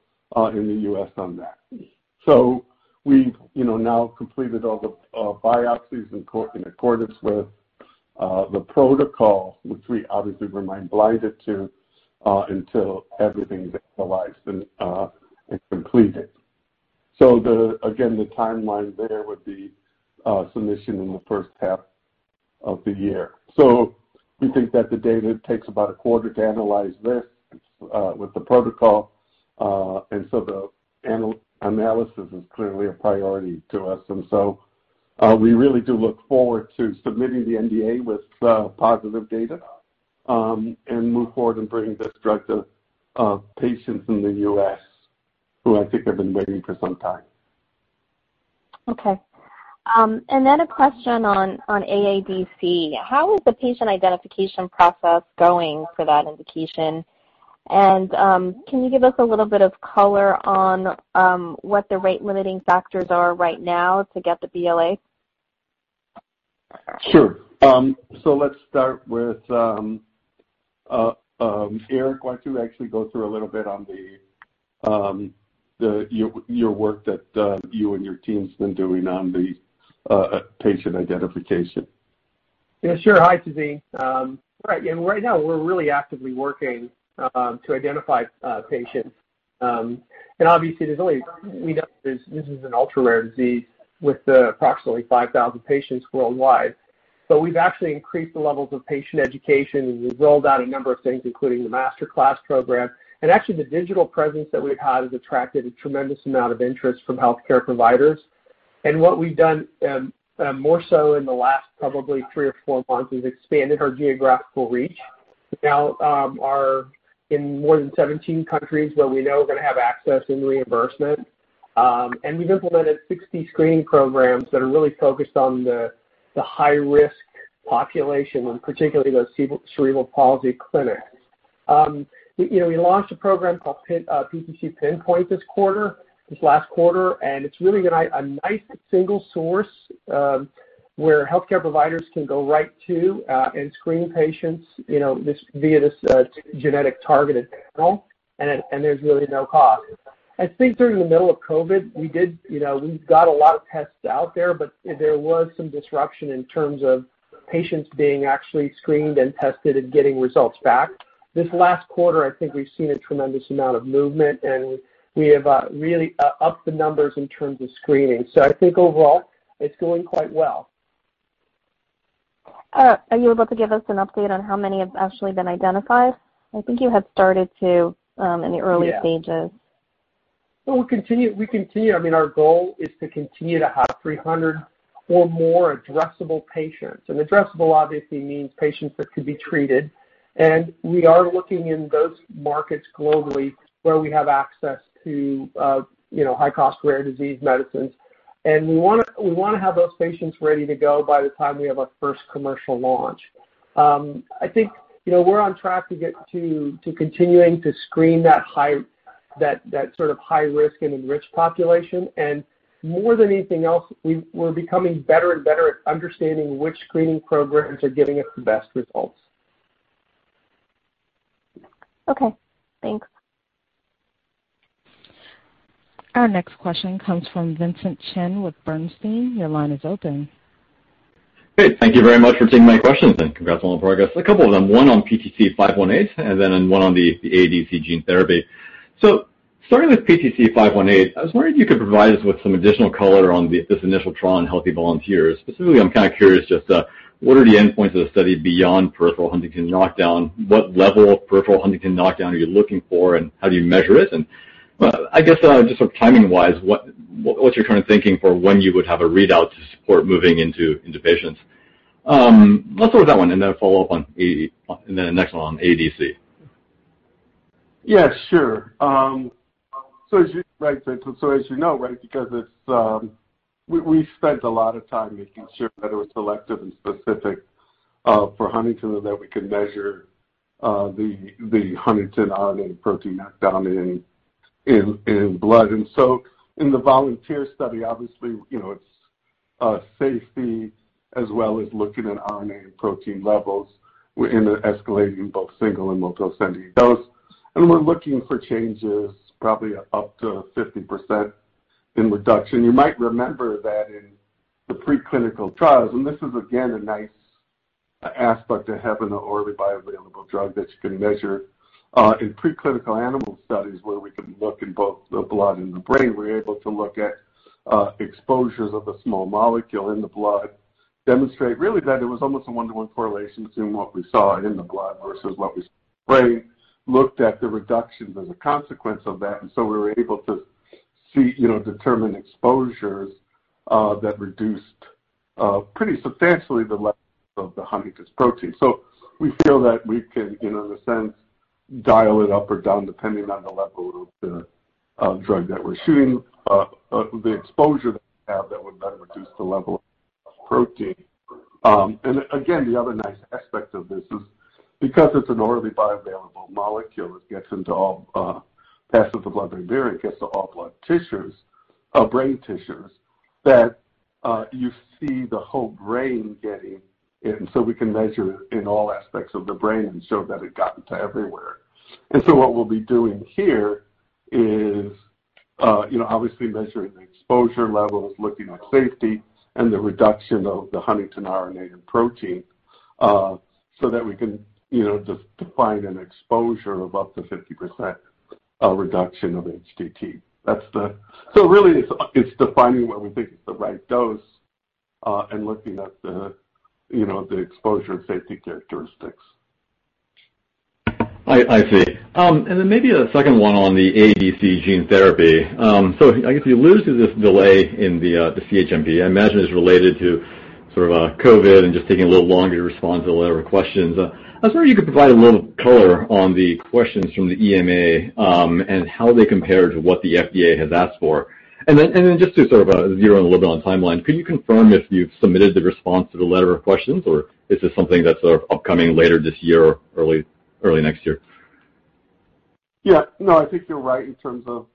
in the U.S. on that. We've now completed all the biopsies in accordance with the protocol, which we obviously remain blinded to until everything is analyzed and completed. Again, the timeline there would be submission in the first half of the year. We think that the data takes about a quarter to analyze this with the protocol, and so the analysis is clearly a priority to us. We really do look forward to submitting the NDA with positive data, and move forward in bringing this drug to patients in the U.S., who I think have been waiting for some time.
Okay. A question on AADC. How is the patient identification process going for that indication? Can you give us a little bit of color on what the rate limiting factors are right now to get the BLA?
Sure. Let's start with, Eric, why don't you actually go through a little bit on your work that you and your team's been doing on the patient identification?
Yeah, sure. Hi, Tazeen. Right now, we're really actively working to identify patients. Obviously, this is an ultra-rare disease with approximately 5,000 patients worldwide. We've actually increased the levels of patient education, and we've rolled out a number of things, including the master class program. Actually, the digital presence that we've had has attracted a tremendous amount of interest from healthcare providers. What we've done, more so in the last probably three or four months, is expanded our geographical reach. We now are in more than 17 countries where we know we're going to have access and reimbursement. We've implemented 60 screening programs that are really focused on the high-risk population, and particularly those cerebral palsy clinics. We launched a program called PTC PINPOINT this last quarter, and it's really been a nice single source where healthcare providers can go right to and screen patients via this genetic targeted panel, and there's really no cost. I think during the middle of COVID, we got a lot of tests out there, but there was some disruption in terms of patients being actually screened and tested and getting results back. This last quarter, I think we've seen a tremendous amount of movement, and we have really upped the numbers in terms of screening. I think overall, it's going quite well.
Are you able to give us an update on how many have actually been identified? I think you had started to in the earlier stages.
Yeah. We continue. Our goal is to continue to have 300 or more addressable patients. Addressable obviously means patients that could be treated. We are looking in those markets globally where we have access to high-cost, rare disease medicines. We want to have those patients ready to go by the time we have our first commercial launch. I think we're on track to continuing to screen that sort of high risk and enriched population. More than anything else, we're becoming better and better at understanding which screening programs are giving us the best results.
Okay, thanks.
Our next question comes from Vincent Chen with Bernstein. Your line is open.
Great. Thank you very much for taking my questions, and congrats on the progress. A couple of them, one on PTC518, and then one on the AADC gene therapy. Starting with PTC518, I was wondering if you could provide us with some additional color on this initial trial on healthy volunteers. Specifically, I'm kind of curious just what are the endpoints of the study beyond peripheral huntingtin knockdown? What level of peripheral huntingtin knockdown are you looking for, and how do you measure it? Well, I guess just sort of timing-wise, what's your current thinking for when you would have a readout to support moving into patients? Let's start with that one and then follow up on the next one on AADC.
Yeah, sure. As you know, because we've spent a lot of time making sure that it was selective and specific for Huntington's, and that we could measure the huntingtin RNA and protein knock down in blood. In the volunteer study, obviously, it's safety as well as looking at RNA and protein levels in escalating both single and multi-ascending dose. We're looking for changes probably up to 50% in reduction. You might remember that in the preclinical trials. This is again a nice aspect of having an orally bioavailable drug that you can measure. In preclinical animal studies where we can look in both the blood and the brain, we're able to look at exposures of a small molecule in the blood, demonstrate really that there was almost a one-to-one correlation between what we saw in the blood versus what we saw in the brain, looked at the reductions as a consequence of that. We were able to determine exposures that reduced pretty substantially the levels of the Huntington protein. We feel that we can, in a sense, dial it up or down depending on the level of the drug that we're shooting, the exposure that we have that would then reduce the level of protein. Again, the other nice aspect of this is because it's an orally bioavailable molecule, it passes the blood-brain barrier, it gets to all blood brain tissues, that you see the whole brain getting it. We can measure in all aspects of the brain and show that it got into everywhere. What we'll be doing here is obviously measuring the exposure levels, looking at safety, and the reduction of the huntingtin RNA and protein, so that we can define an exposure of up to 50% reduction of HTT. Really it's defining what we think is the right dose, and looking at the exposure and safety characteristics.
I see. Then maybe a second one on the AADC gene therapy. I guess you allude to this delay in the CHMP. I imagine it's related to sort of COVID and just taking a little longer to respond to the letter of questions. I was wondering if you could provide a little color on the questions from the EMA, and how they compare to what the FDA has asked for. Then just to sort of zero in a little bit on timelines, could you confirm if you've submitted the response to the letter of questions, or is this something that's sort of upcoming later this year or early next year?
Yeah. No, I think you're right in terms of,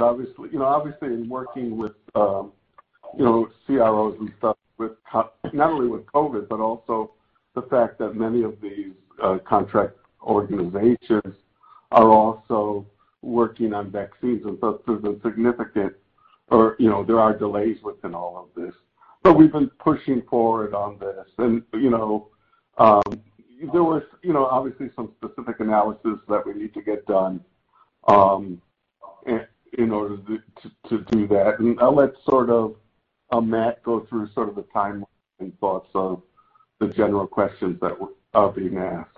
obviously in working with CROs and stuff, not only with COVID but also the fact that many of these contract organizations are also working on vaccines. There are delays within all of this. We've been pushing forward on this. There was obviously some specific analysis that we need to get done in order to do that. I'll let Matt go through sort of the timeline and thoughts of the general questions that are being asked.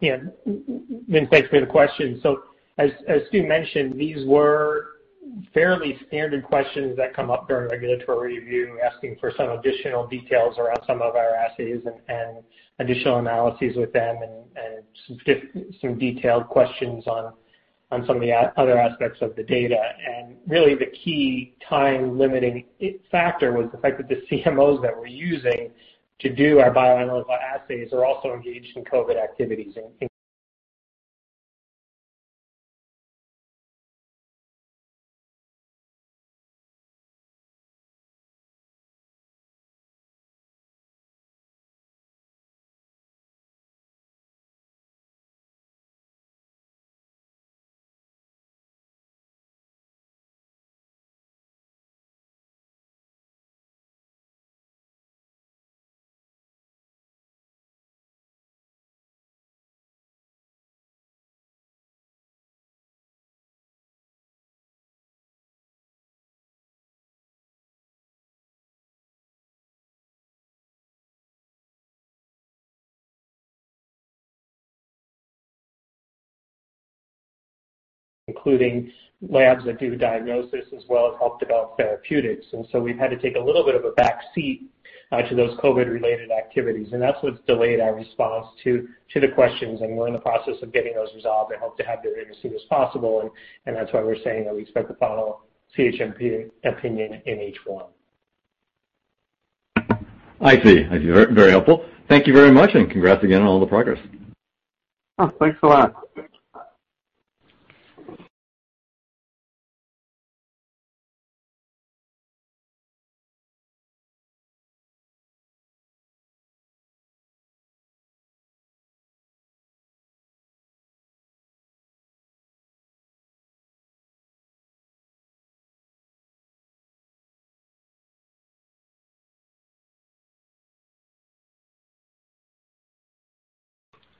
Yeah. Vince, thanks for the question. As Stu mentioned, these were fairly standard questions that come up during regulatory review, asking for some additional details around some of our assays and additional analyses with them and some detailed questions on some of the other aspects of the data. Really the key time limiting factor was the fact that the CMOs that we're using to do our bioanalytical assays are also engaged in COVID activities, *audio distortion* including labs that do the diagnosis as well as help develop therapeutics. We've had to take a little bit of a back seat to those COVID related activities, and that's what's delayed our response to the questions, and we're in the process of getting those resolved and hope to have them in as soon as possible, and that's why we're saying that we expect to file CHMP opinion in H1.
I see. Very helpful. Thank you very much, and congrats again on all the progress.
Oh, thanks a lot.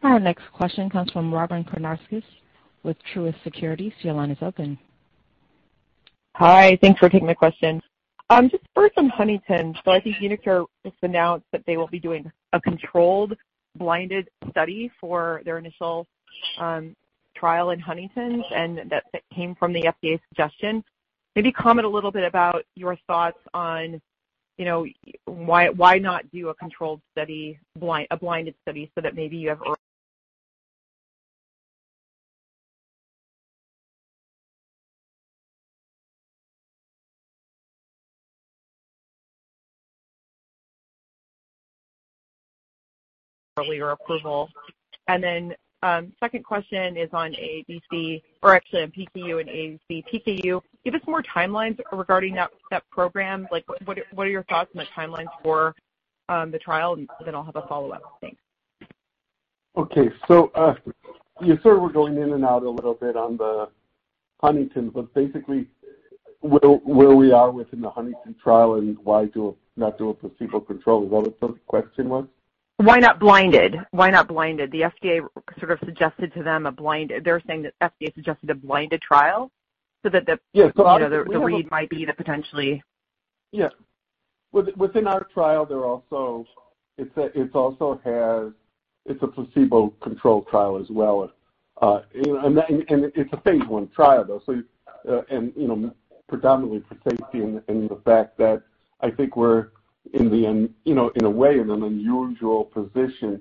Our next question comes from Robyn Karnauskas with Truist Securities. Your line is open.
Hi, thanks for taking my question. Just first on Huntington's. I think uniQure just announced that they will be doing a controlled blinded study for their initial trial in Huntington's, that came from the FDA's suggestion. Maybe comment a little bit about your thoughts on why not do a controlled study, a blinded study, so that maybe you have earlier approval. Second question is on AADC, or actually on PKU and AADC. PKU, give us more timelines regarding that program. What are your thoughts on the timelines for the trial? I'll have a follow-up. Thanks.
Okay. You sort of were going in and out a little bit on the Huntington's, but basically where we are within the Huntington trial and why not do a placebo-controlled, is that what the question was?
Why not blinded? The FDA sort of suggested to them a blinded. They're saying that FDA suggested a blinded trial, so that the read might be to potentially.
Yeah. Within our trial, it's a placebo-controlled trial as well. It's a phase I trial, though, and predominantly for safety and the fact that I think we're, in a way, in an unusual position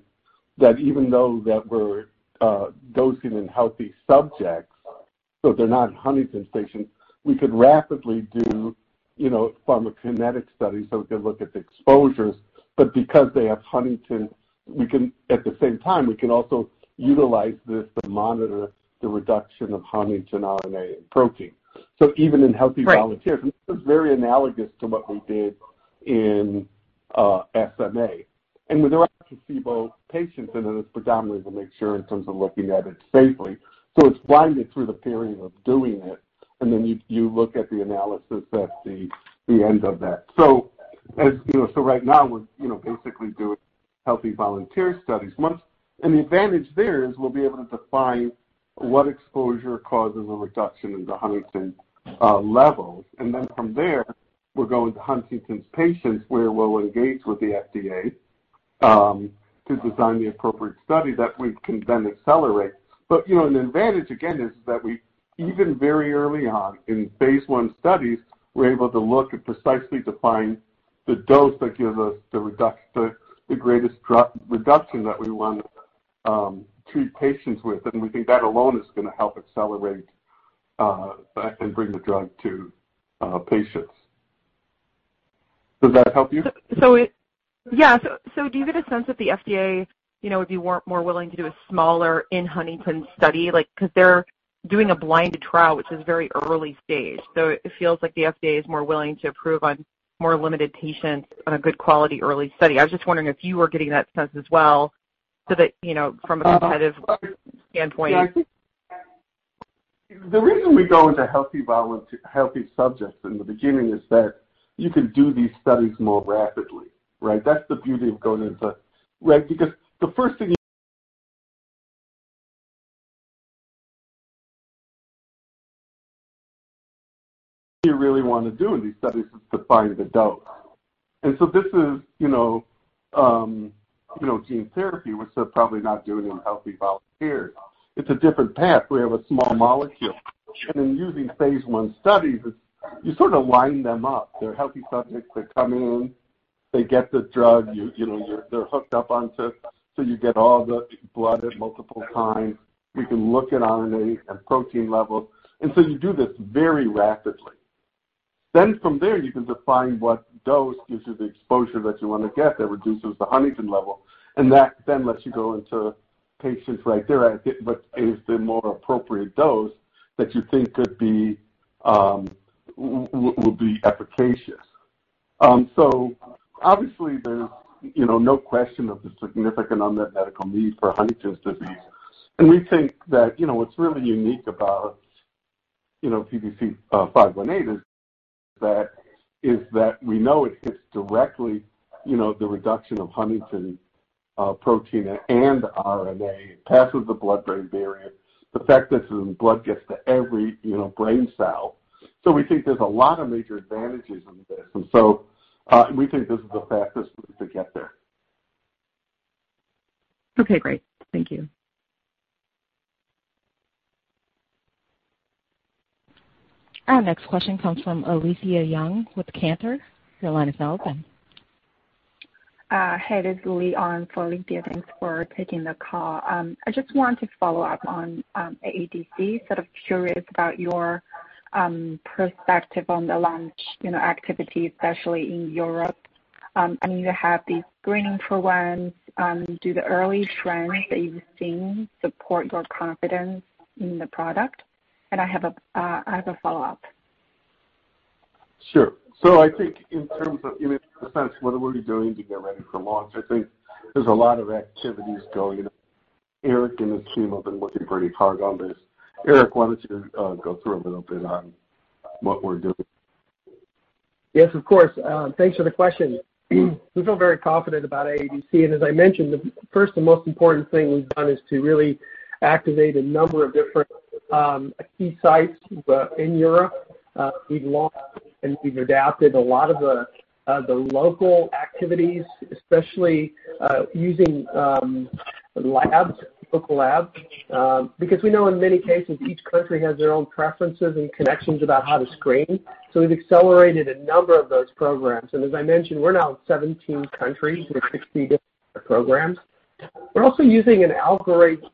that even though that we're dosing in healthy subjects, so they're not Huntington's patients, we could rapidly do pharmacokinetic studies, so we could look at the exposures. Because they have Huntington's, at the same time, we can also utilize this to monitor the reduction of Huntington RNA and protein.
Right
So even in healthy volunteers. This is very analogous to what we did in SMA. With the rest of placebo patients, it's predominantly to make sure in terms of looking at it safely. It's blinded through the period of doing it, you look at the analysis at the end of that. Right now, we're basically doing healthy volunteer studies. The advantage there is we'll be able to define what exposure causes a reduction in the huntingtin levels. From there, we'll go into Huntington's patients, where we'll engage with the FDA to design the appropriate study that we can then accelerate. An advantage, again, is that we even very early on in phase I studies, we're able to look and precisely define the dose that gives us the greatest reduction that we want to treat patients with. We think that alone is going to help accelerate and bring the drug to patients. Does that help you?
Yeah. Do you get a sense that the FDA would be more willing to do a smaller in-Huntington study? Because they're doing a blinded trial, which is very early stage. It feels like the FDA is more willing to approve on more limited patients on a good quality early study. I was just wondering if you were getting that sense as well so that from a competitive standpoint.
Yeah. I think the reason we go into healthy subjects in the beginning is that you can do these studies more rapidly, right? That's the beauty of going into. Right? The first thing you really want to do in these studies is to find the dose. This is gene therapy, which they're probably not doing in healthy volunteers. It's a different path. We have a small molecule. In using phase I studies, you sort of line them up. They're healthy subjects. They come in, they get the drug. They're hooked up onto so you get all the blood at multiple times. We can look at RNA and protein levels. You do this very rapidly. From there, you can define what dose gives you the exposure that you want to get that reduces the huntingtin level, and that then lets you go into patients right there at what is the more appropriate dose that you think would be efficacious. Obviously, there's no question of the significant unmet medical need for Huntington's disease. We think that what's really unique about PTC518 is that we know it hits directly the reduction of huntingtin protein and RNA. It passes the blood-brain barrier. The fact is that blood gets to every brain cell. We think there's a lot of major advantages in this, we think this is the fastest route to get there.
Okay, great. Thank you.
Our next question comes from Alethia Young with Cantor. Your line is now open.
Hey, this is Li on for Alethia. Thanks for taking the call. I just wanted to follow up on AADC. Sort of curious about your perspective on the launch activity, especially in Europe. You have these screening programs. Do the early trends that you've seen support your confidence in the product? I have a follow-up.
Sure. I think in terms of, in a sense, what are we doing to get ready for launch, I think there's a lot of activities going on. Eric and his team have been working pretty hard on this. Eric, why don't you go through a little bit on what we're doing
Yes, of course. Thanks for the question. We feel very confident about AADC, as I mentioned, the first and most important thing we've done is to really activate a number of different key sites in Europe. We've launched and we've adapted a lot of the local activities, especially using labs, clinical labs, because we know in many cases, each country has their own preferences and connections about how to screen. We've accelerated a number of those programs. As I mentioned, we're now in 17 countries with 60 different programs. We're also using an algorithm-based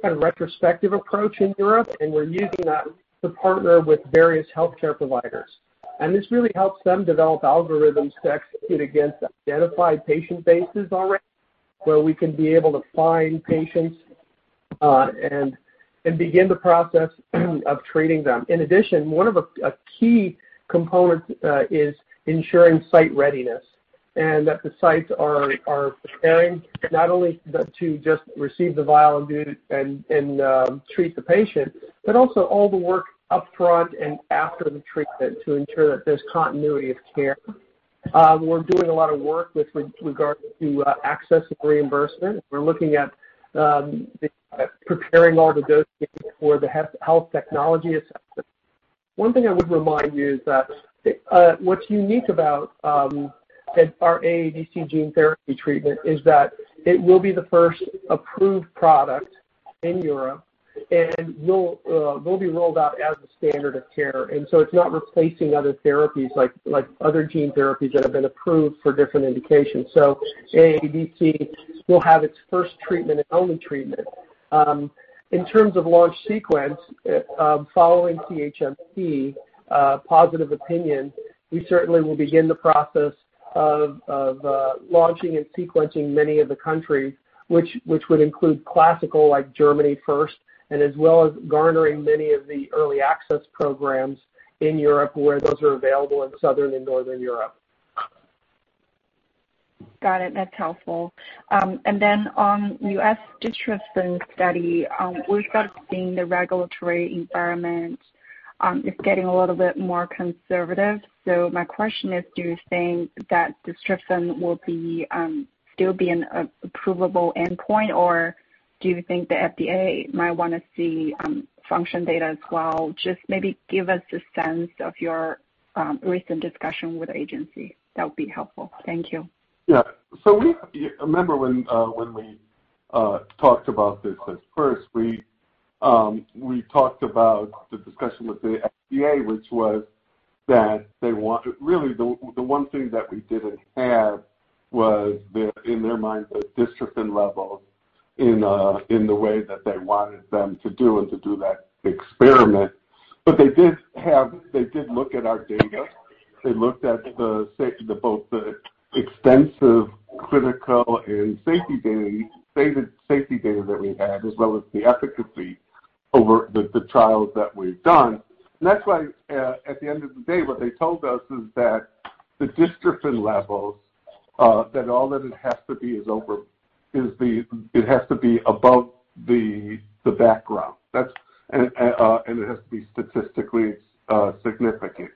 kind of retrospective approach in Europe, We're using that to partner with various healthcare providers. This really helps them develop algorithms to execute against identified patient bases already, where we can be able to find patients, and begin the process of treating them. In addition, one of a key components is ensuring site readiness and that the sites are preparing not only to just receive the vial and treat the patient, but also all the work upfront and after the treatment to ensure that there's continuity of care. We're doing a lot of work with regard to access and reimbursement. We're looking at preparing all the dossiers for the health technology assessment. One thing I would remind you is that what's unique about our AADC gene therapy treatment is that it will be the first approved product in Europe, and will be rolled out as the standard of care. It's not replacing other therapies like other gene therapies that have been approved for different indications. AADC will have its first treatment and only treatment. In terms of launch sequence, following CHMP positive opinion, we certainly will begin the process of launching and sequencing many of the countries, which would include classical like Germany first, as well as garnering many of the early access programs in Europe where those are available in Southern and Northern Europe.
Got it. That's helpful. On U.S. dystrophin study, we've started seeing the regulatory environment is getting a little bit more conservative. My question is, do you think that dystrophin will still be an approvable endpoint, or do you think the FDA might want to see function data as well? Just maybe give us a sense of your recent discussion with the agency. That would be helpful. Thank you.
Yeah. Remember when we talked about this at first, we talked about the discussion with the FDA, which was that really, the one thing that we didn't have was, in their minds, the dystrophin levels in the way that they wanted them to do and to do that experiment, but they did look at our data. They looked at both the extensive critical and safety data that we had, as well as the efficacy over the trials that we've done. That's why, at the end of the day, what they told us is that the dystrophin levels, that all that it has to be is it has to be above the background. It has to be statistically significant.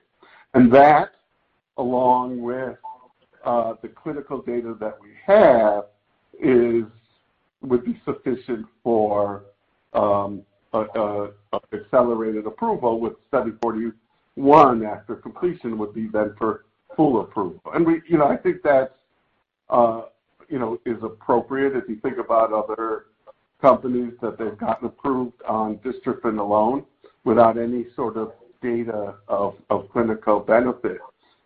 That, along with the clinical data that we have, would be sufficient for an accelerated approval with Study 041 after completion would be then for full approval. I think that is appropriate if you think about other companies that they've gotten approved on dystrophin alone without any sort of data of clinical benefit.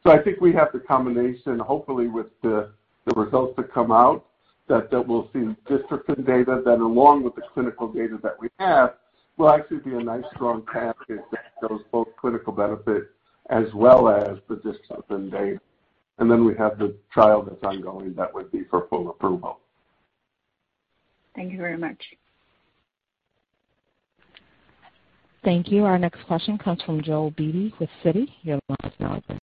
I think we have the combination, hopefully, with the results that come out, that we'll see dystrophin data, then along with the clinical data that we have, will actually be a nice strong package that shows both clinical benefit as well as the dystrophin data. Then we have the trial that's ongoing that would be for full approval.
Thank you very much.
Thank you. Our next question comes from Joel Beatty with Citi. You have the line now open.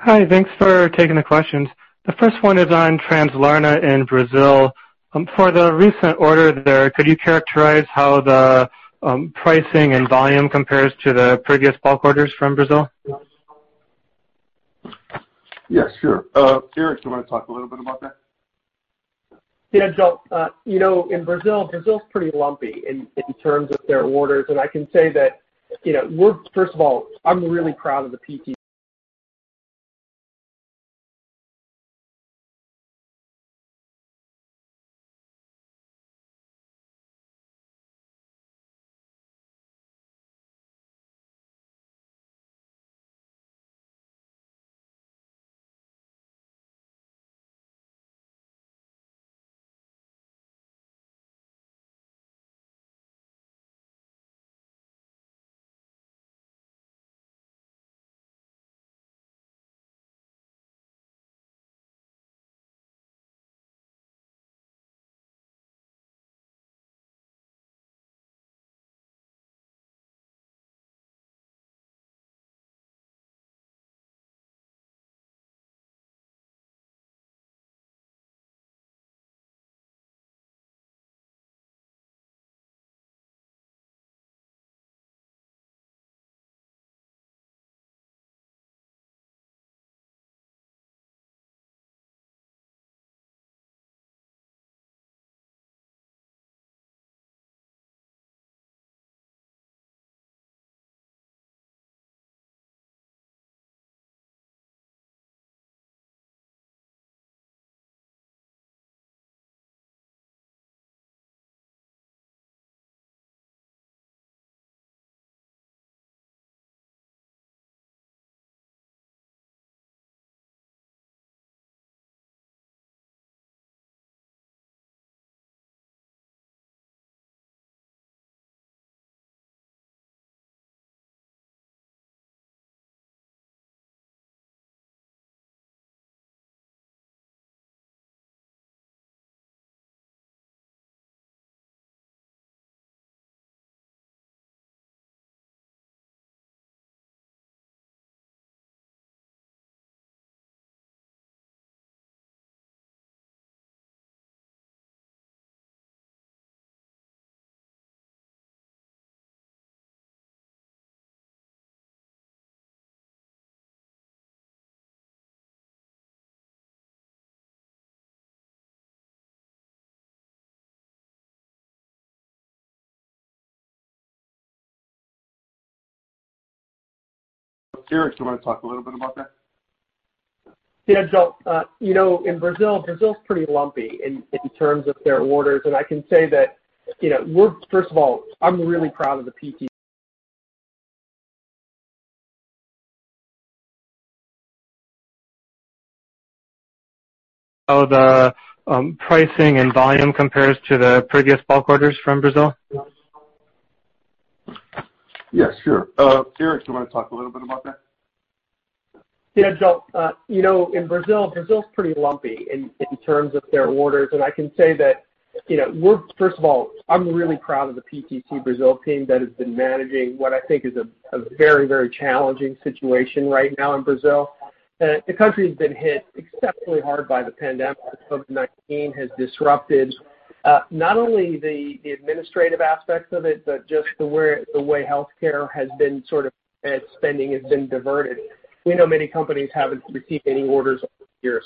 Hi, thanks for taking the questions. The first one is onTRANSLARNA in Brazil. For the recent order there, could you characterize how the pricing and volume compares to the previous bulk orders from Brazil?
Yes, sure. Eric, do you want to talk a little bit about that?
Joel. Brazil's pretty lumpy in terms of their orders. I can say that, first of all, I'm really proud of the PTC Brazil team that has been managing what I think is a very challenging situation right now in Brazil. The country has been hit exceptionally hard by the pandemic. COVID-19 has disrupted not only the administrative aspects of it, but just the way healthcare has been sort of, spending has been diverted. We know many companies haven't received any orders over the year.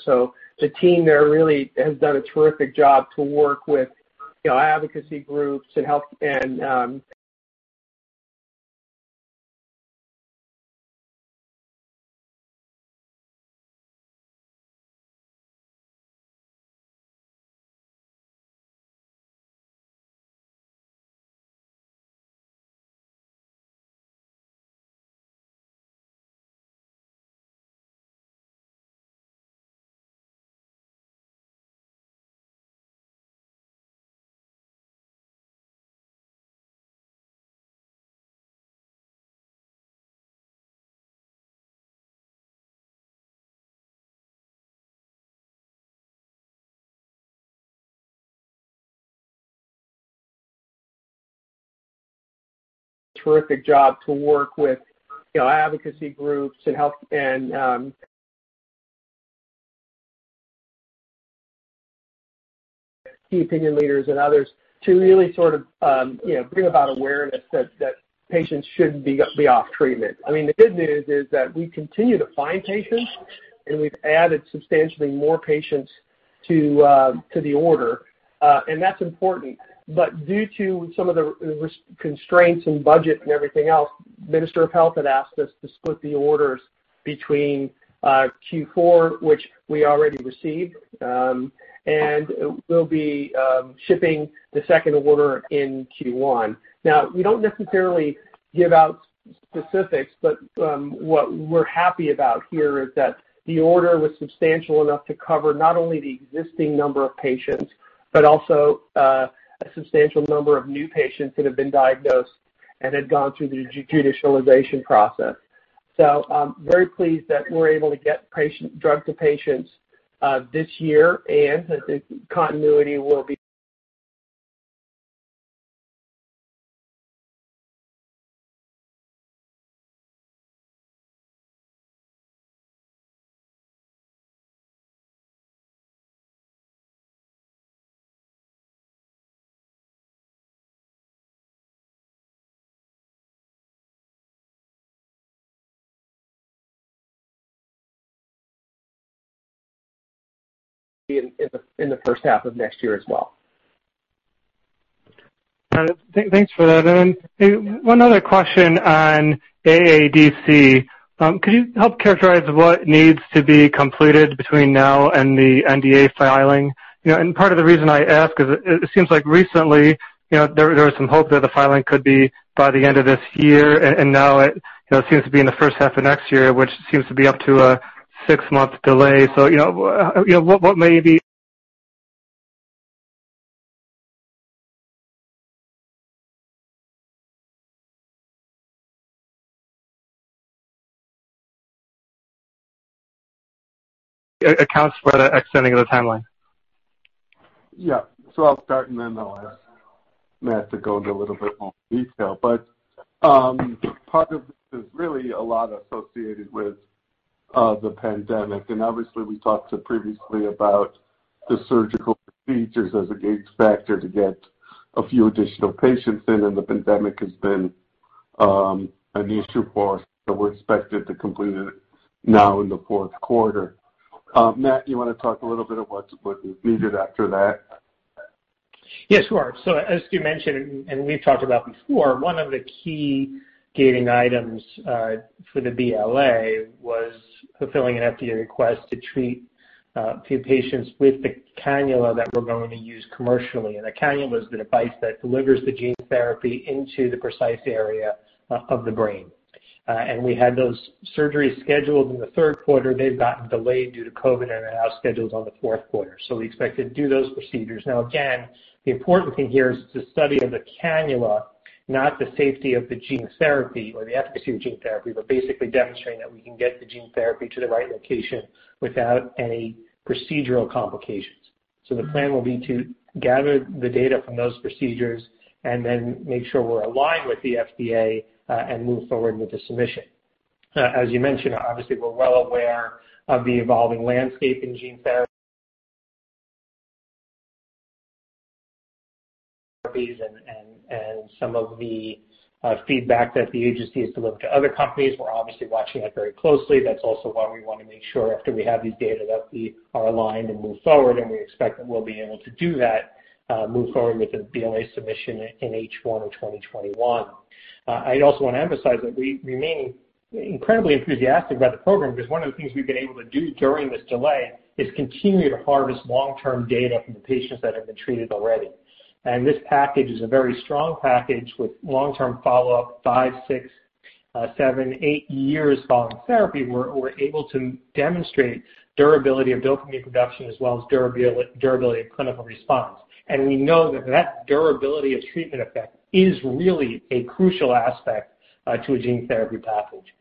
The team there really has done a terrific job to work with advocacy groups and key opinion leaders and others to really bring about awareness that patients shouldn't be off treatment. The good news is that we continue to find patients, and we've added substantially more patients to the order, and that's important. Due to some of the constraints in budget and everything else, Minister of Health had asked us to split the orders between Q4, which we already received, and we'll be shipping the second order in Q1. We don't necessarily give out specifics, but what we're happy about here is that the order was substantial enough to cover not only the existing number of patients, but also a substantial number of new patients that have been diagnosed and had gone through the judicialization process. I'm very pleased that we're able to get drug to patients this year, and continuity will be in the first half of next year as well.
Thanks for that. One other question on AADC. Could you help characterize what needs to be completed between now and the NDA filing? Part of the reason I ask is it seems like recently, there was some hope that the filing could be by the end of this year, and now it seems to be in the first half of next year, which seems to be up to a six-month delay. What may be accounts for the extending of the timeline?
Yeah. I'll start, and then I'll ask Matt to go into a little bit more detail. Part of this is really a lot associated with the pandemic. Obviously, we talked previously about the surgical procedures as a gauge factor to get a few additional patients in, and the pandemic has been an issue for us, but we're expected to complete it now in the fourth quarter. Matt, you want to talk a little bit about what's needed after that?
Yes, sure. As Stu mentioned, and we've talked about before, one of the key gating items for the BLA was fulfilling an FDA request to treat a few patients with the cannula that we're going to use commercially. A cannula is the device that delivers the gene therapy into the precise area of the brain. We had those surgeries scheduled in the third quarter. They've gotten delayed due to COVID and are now scheduled on the fourth quarter. We expect to do those procedures. Now, again, the important thing here is the study of the cannula, not the safety of the gene therapy or the efficacy of gene therapy, but basically demonstrating that we can get the gene therapy to the right location without any procedural complications. The plan will be to gather the data from those procedures and then make sure we're aligned with the FDA and move forward with the submission. As you mentioned, obviously, we're well aware of the evolving landscape in gene therapies and some of the feedback that the agency has delivered to other companies. We're obviously watching that very closely. That's also why we want to make sure after we have these data that we are aligned and move forward, and we expect that we'll be able to do that, move forward with a BLA submission in H1 of 2021. I also want to emphasize that we remain incredibly enthusiastic about the program because one of the things we've been able to do during this delay is continue to harvest long-term data from the patients that have been treated already. This package is a very strong package with long-term follow-up, five, six, seven, eight years following therapy, we're able to demonstrate durability of dopamine production as well as durability of clinical response. We know that that durability of treatment effect is really a crucial aspect to a gene therapy package.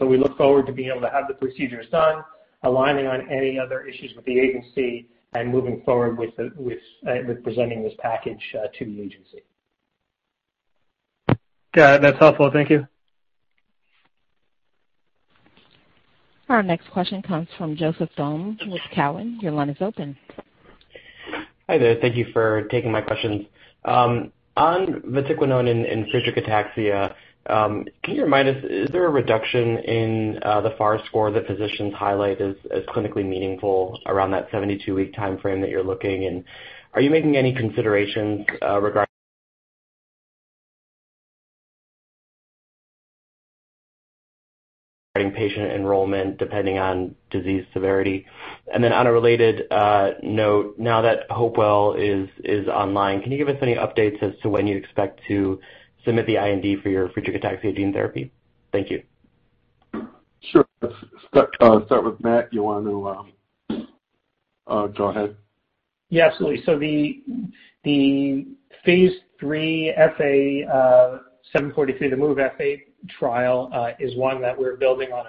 We look forward to being able to have the procedures done, aligning on any other issues with the agency, and moving forward with presenting this package to the agency.
Got it. That's helpful. Thank you.
Our next question comes from Joseph Thome with Cowen. Your line is open.
Hi there. Thank you for taking my questions. On vatiquinone in Friedreich's ataxia, can you remind us, is there a reduction in the FARS score that physicians highlight as clinically meaningful around that 72-week timeframe that you're looking? Are you making any considerations regarding patient enrollment depending on disease severity? On a related note, now that Hopewell is online, can you give us any updates as to when you expect to submit the IND for your Friedreich's ataxia gene therapy? Thank you.
Sure. Let's start with Matt. You want to go ahead?
Absolutely. The phase III FA 743, the MOVE-FA trial, is one that we're building on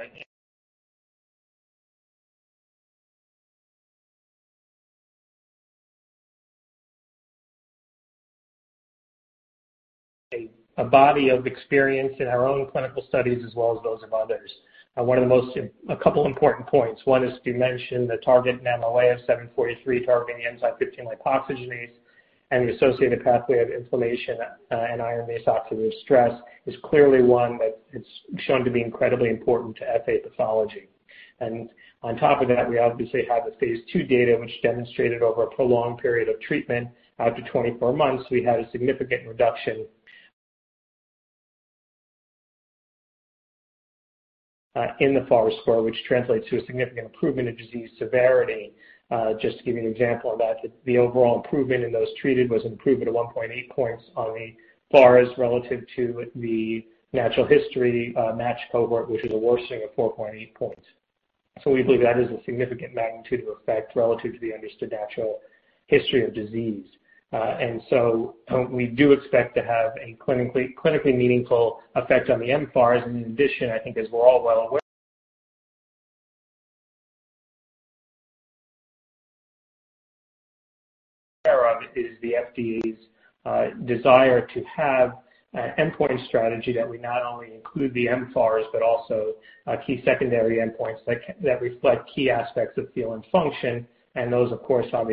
a body of experience in our own clinical studies as well as those of others. A couple important points. One is, Stu mentioned, the target in MOA of 743 targeting enzyme 15-lipoxygenase and the associated pathway of inflammation and iron-based oxidative stress is clearly one that it's shown to be incredibly important to FA pathology. On top of that, we obviously have the phase II data, which demonstrated over a prolonged period of treatment out to 24 months, we had a significant reduction in the FARS score, which translates to a significant improvement in disease severity. Just to give you an example of that, the overall improvement in those treated was improvement of 1.8 points on the FARS relative to the natural history match cohort, which is a worsening of 4.8 points. We believe that is a significant magnitude of effect relative to the understood natural history of disease. We do expect to have a clinically meaningful effect on the mFARS. In addition, I think as we're all well aware of, is the FDA's desire to have an endpoint strategy that would not only include the mFARS, but also key secondary endpoints that reflect key aspects of feel and function, and those, of course, are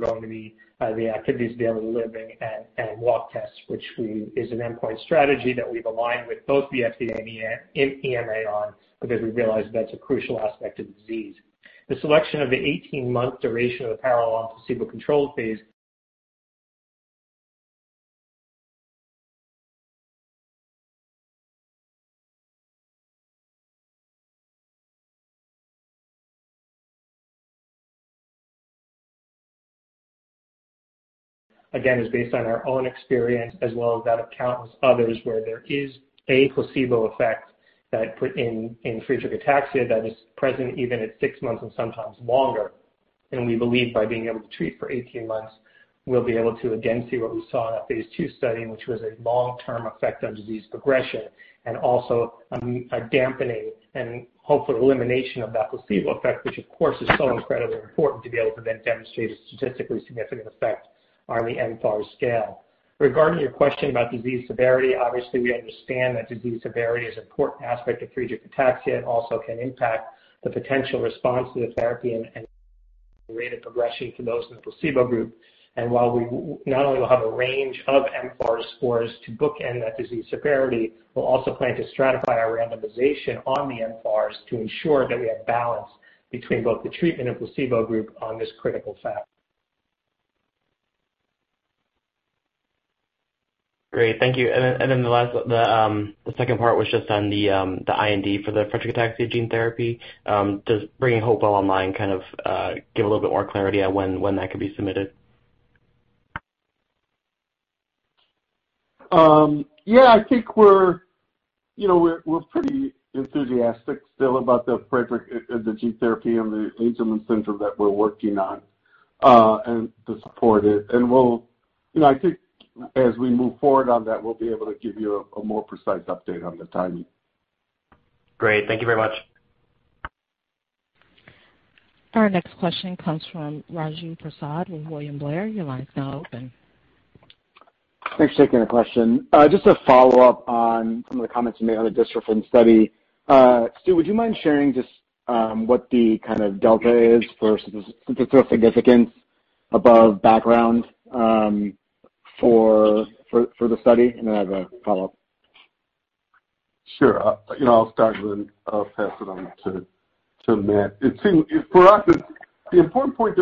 going to be the activities of daily living and walk tests, which is an endpoint strategy that we've aligned with both the FDA and EMA on because we realize that's a crucial aspect of the disease. The selection of the 18-month duration of the parallel placebo-controlled phase, again, is based on our own experience as well as that of countless others, where there is a placebo effect in Friedreich's ataxia that is present even at six months and sometimes longer. We believe by being able to treat for 18 months, we'll be able to again see what we saw in that phase II study, which was a long-term effect on disease progression and also a dampening and hopeful elimination of that placebo effect, which, of course, is so incredibly important to be able to then demonstrate a statistically significant effect on the mFARS scale. Regarding your question about disease severity, obviously, we understand that disease severity is an important aspect of Friedreich's ataxia. It also can impact the potential response to the therapy and the rate of progression for those in the placebo group. While we not only will have a range of mFARS scores to bookend that disease severity, we'll also plan to stratify our randomization on the mFARS to ensure that we have balance between both the treatment and placebo group on this critical factor.
Great. Thank you. The second part was just on the IND for the Friedreich's ataxia gene therapy. Does bringing Hopewell online kind of give a little bit more clarity on when that could be submitted?
Yeah, I think we're pretty enthusiastic still about the gene therapy and the Angelman syndrome that we're working on to support it. I think as we move forward on that, we'll be able to give you a more precise update on the timing.
Great. Thank you very much.
Our next question comes from Raju Prasad with William Blair. Your line is now open.
Thanks for taking the question. Just a follow-up on some of the comments you made on the dystrophin study. Stu, would you mind sharing just what the kind of delta is for statistical significance above background for the study? I have a follow-up.
Sure. I'll start, then I'll pass it on to Matt. For us, the important point.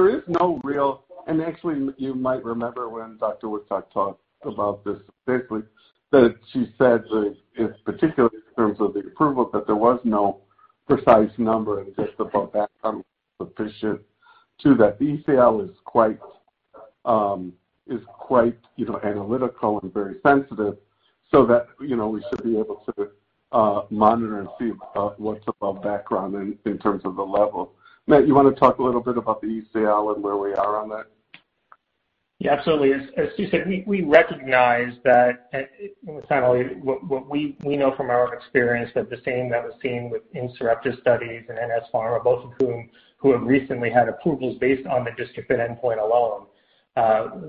Actually, you might remember when Dr. Woodcock talked about this basically, that she said that in particular in terms of the approval, that there was no precise number, just above that sufficient to that. The ECL is quite analytical and very sensitive so that we should be able to monitor and see what's above background in terms of the level. Matt, you want to talk a little bit about the ECL and where we are on that?
Yeah, absolutely. As Stu said, we recognize that. It's not only what we know from our own experience, but the same that was seen with Sarepta's studies and NS Pharma, both of whom have recently had approvals based on the dystrophin endpoint alone.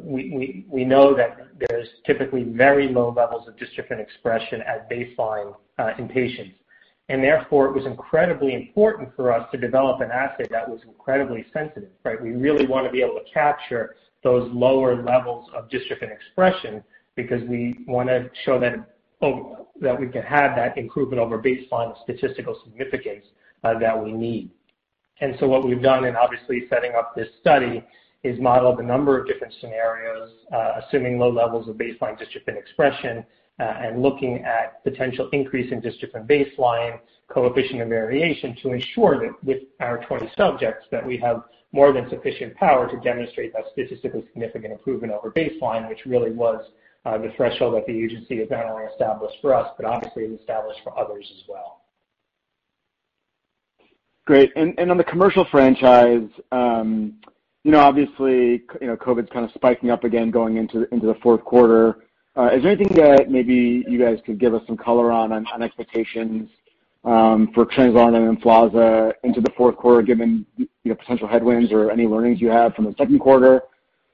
We know that there's typically very low levels of dystrophin expression at baseline in patients. Therefore, it was incredibly important for us to develop an assay that was incredibly sensitive, right? We really want to be able to capture those lower levels of dystrophin expression because we want to show that we can have that improvement over baseline statistical significance that we need. What we've done in obviously setting up this study is modeled a number of different scenarios, assuming low levels of baseline dystrophin expression and looking at potential increase in dystrophin baseline coefficient of variation to ensure that with our 20 subjects that we have more than sufficient power to demonstrate a statistically significant improvement over baseline, which really was the threshold that the agency had not only established for us, but obviously it established for others as well.
Great. On the commercial franchise, obviously, COVID's kind of spiking up again going into the fourth quarter. Is there anything that maybe you guys could give us some color on expectations forTRANSLARNA and EMFLAZA into the fourth quarter, given potential headwinds or any learnings you have from the second quarter?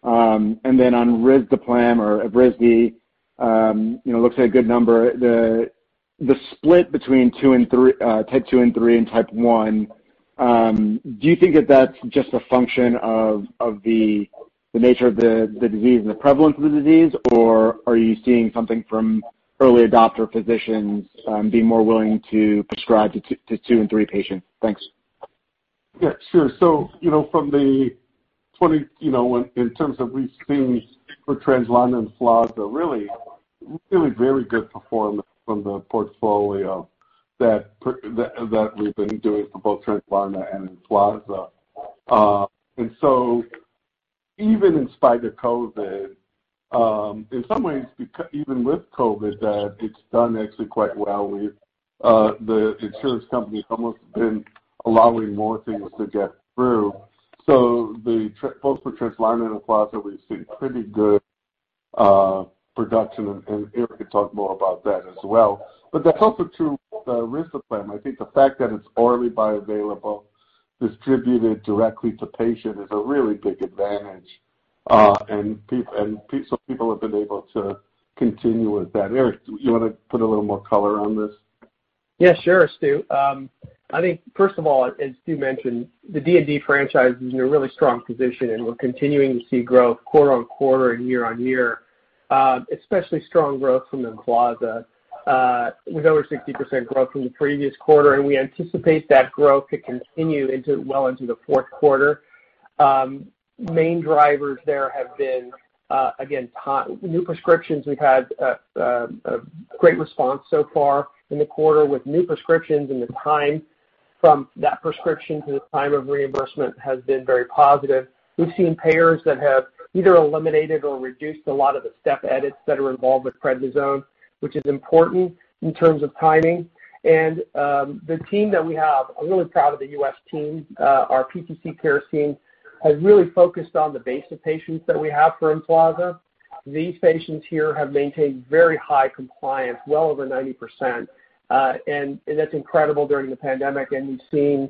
Then on risdiplam or EVRYSDI, looks like a good number. The split between Type 2 and 3 and Type 1, do you think that that's just a function of the nature of the disease and the prevalence of the disease, or are you seeing something from early adopter physicians being more willing to prescribe to Type 2 and 3 patients? Thanks.
Yeah, sure. In terms of these things forTRANSLARNA and EMFLAZA, really very good performance from the portfolio that we've been doing for bothTRANSLARNA and EMFLAZA. Even in spite of COVID, in some ways, even with COVID, it's done actually quite well. The insurance companies have almost been allowing more things to get through. Both forTRANSLARNA and EMFLAZA, we've seen pretty good production, and Eric can talk more about that as well. That's also true with the risdiplam. I think the fact that it's orally bioavailable, distributed directly to patient is a really big advantage. People have been able to continue with that. Eric, do you want to put a little more color on this?
Yeah, sure, Stu. I think first of all, as Stu mentioned, the DMD franchise is in a really strong position, and we're continuing to see growth quarter-on-quarter and year-on-year. Especially strong growth from EMFLAZA with over 60% growth from the previous quarter. We anticipate that growth to continue well into the fourth quarter. Main drivers there have been, again, new prescriptions. We've had a great response so far in the quarter with new prescriptions and the time from that prescription to the time of reimbursement has been very positive. We've seen payers that have either eliminated or reduced a lot of the step edits that are involved with prednisone, which is important in terms of timing. The team that we have, I'm really proud of the U.S. team. Our PTC Cares team has really focused on the base of patients that we have for EMFLAZA. These patients here have maintained very high compliance, well over 90%. That's incredible during the pandemic. We've seen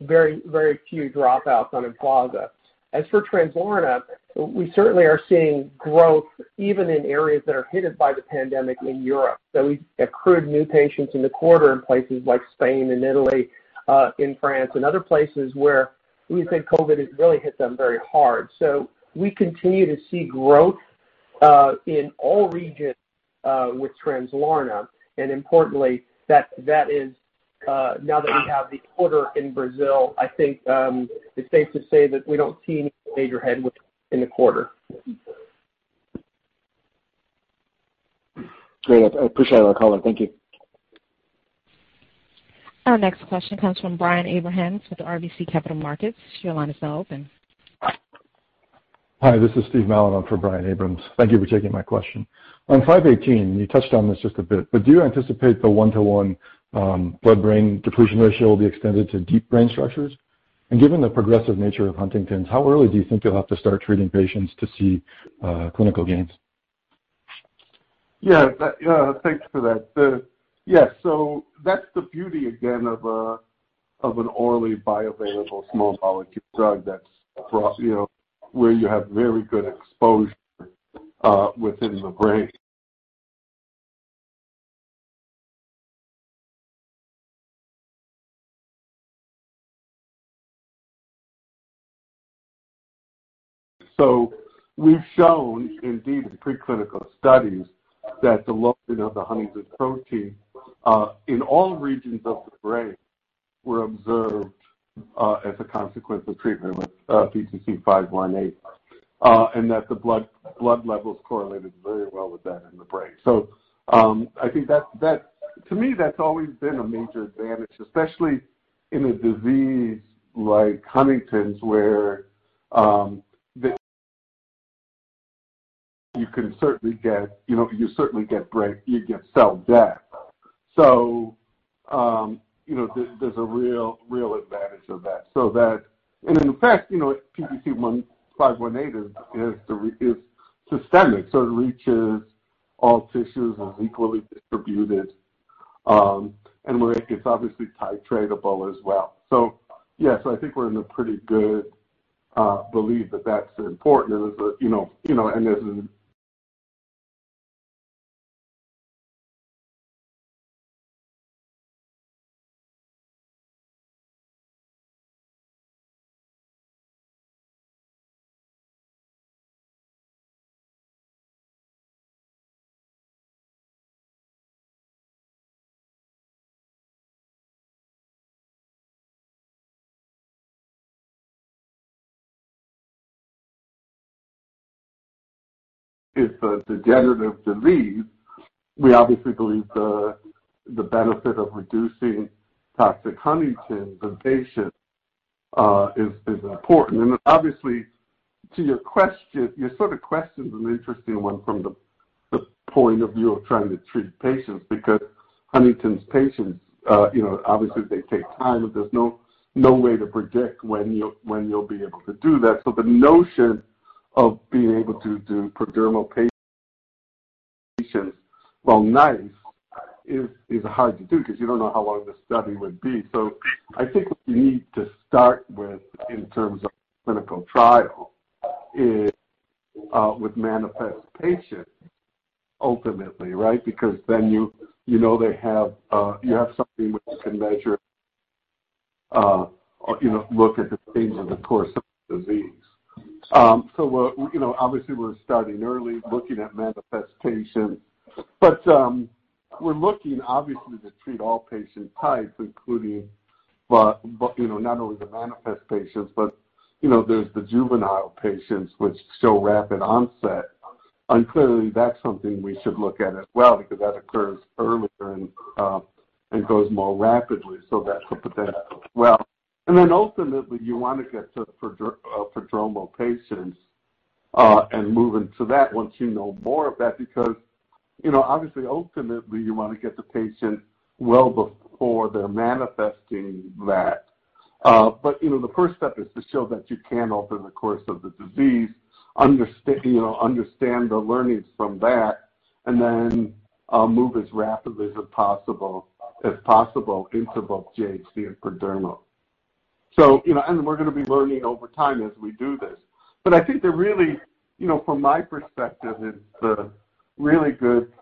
very few dropouts on EMFLAZA. As forTRANSLARNA, we certainly are seeing growth even in areas that are hit by the pandemic in Europe. We've accrued new patients in the quarter in places like Spain and Italy, in France and other places where we would say COVID has really hit them very hard. We continue to see growth, in all regions withTRANSLARNA. Importantly, now that we have the order in Brazil, I think it's safe to say that we don't see any major headwind in the quarter.
Great. I appreciate all the color. Thank you.
Our next question comes from Brian Abrahams with RBC Capital Markets. Your line is now open.
Hi, this is Steve Mallon for Brian Abrahams. Thank you for taking my question. On PTC518, you touched on this just a bit, do you anticipate the one-to-one blood-brain depletion ratio will be extended to deep brain structures? Given the progressive nature of Huntington's, how early do you think you'll have to start treating patients to see clinical gains?
Yeah. Thanks for that. Yeah, that's the beauty again of an orally bioavailable small molecule drug where you have very good exposure within the brain. We've shown indeed in preclinical studies that the loading of the huntingtin protein in all regions of the brain were observed as a consequence of treatment with PTC518, and that the blood levels correlated very well with that in the brain. To me, that's always been a major advantage, especially in a disease like Huntington's, where you certainly get cell death. There's a real advantage of that. In fact, PTC518 is systemic, so it reaches all tissues and is equally distributed, and where it is obviously titratable as well. Yes, I think we're in a pretty good belief that that's important and there's an. *audio distortion* It's a degenerative disease. We obviously believe the benefit of reducing toxic huntingtin in patients is important. Obviously, your question is an interesting one from the point of view of trying to treat patients, because Huntington's patients, obviously they take time and there's no way to predict when you'll be able to do that. The notion of being able to do prodromal patients, while nice, is hard to do because you don't know how long the study would be. I think what you need to start with in terms of clinical trial is with manifest patients, ultimately. You have something which you can measure or look at the things in the course of the disease. Obviously we're starting early, looking at manifestation. We're looking obviously to treat all patient types, including not only the manifest patients, but there's the juvenile patients which show rapid onset. Clearly that's something we should look at as well, because that occurs earlier and goes more rapidly. Ultimately you want to get to prodromal patients, and move into that once you know more of that, because obviously, ultimately, you want to get the patient well before they're manifesting that. The first step is to show that you can alter the course of the disease, understand the learnings from that, and then move as rapidly as possible into both JHD and prodromal. We're going to be learning over time as we do this. I think from my perspective, the really good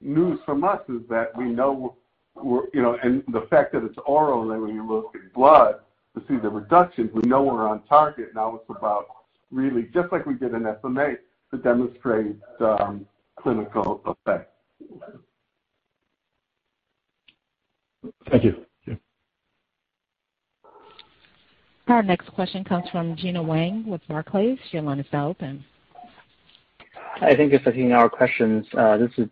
news from us is that we know and the fact that it's oral and when you look at blood to see the reductions, we know we're on target. Now it's about really, just like we did in SMA, to demonstrate the clinical effect.
Thank you.
Our next question comes from Gena Wang with Barclays. Your line is now open.
I think it's a few more questions. This is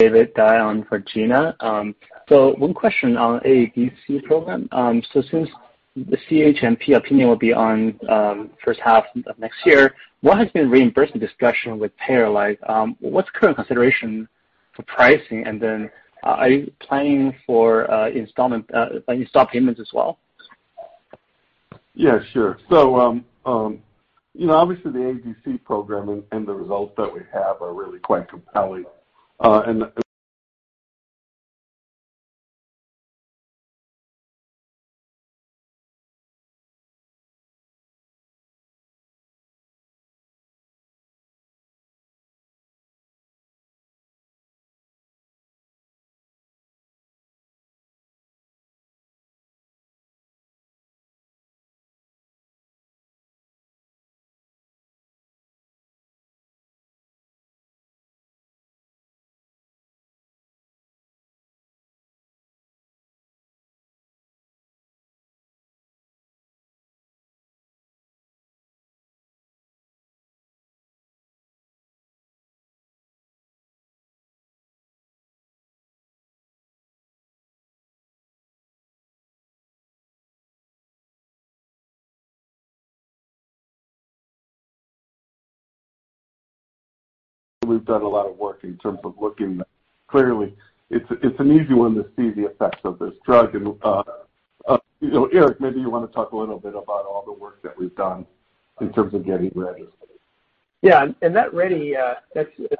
David Dai on for Gena. One question on AADC program. Since the CHMP opinion will be on first half of next year, what has been reimbursement discussion with payer like? What's current consideration for pricing and are you planning for installment payment as well?
Yeah, sure. Obviously the AADC program and the results that we have are really quite compelling. We've done a lot of work in terms of looking. Clearly, it's an easy one to see the effects of this drug. Eric, maybe you want to talk a little bit about all the work that we've done in terms of getting ready.
Yeah, that's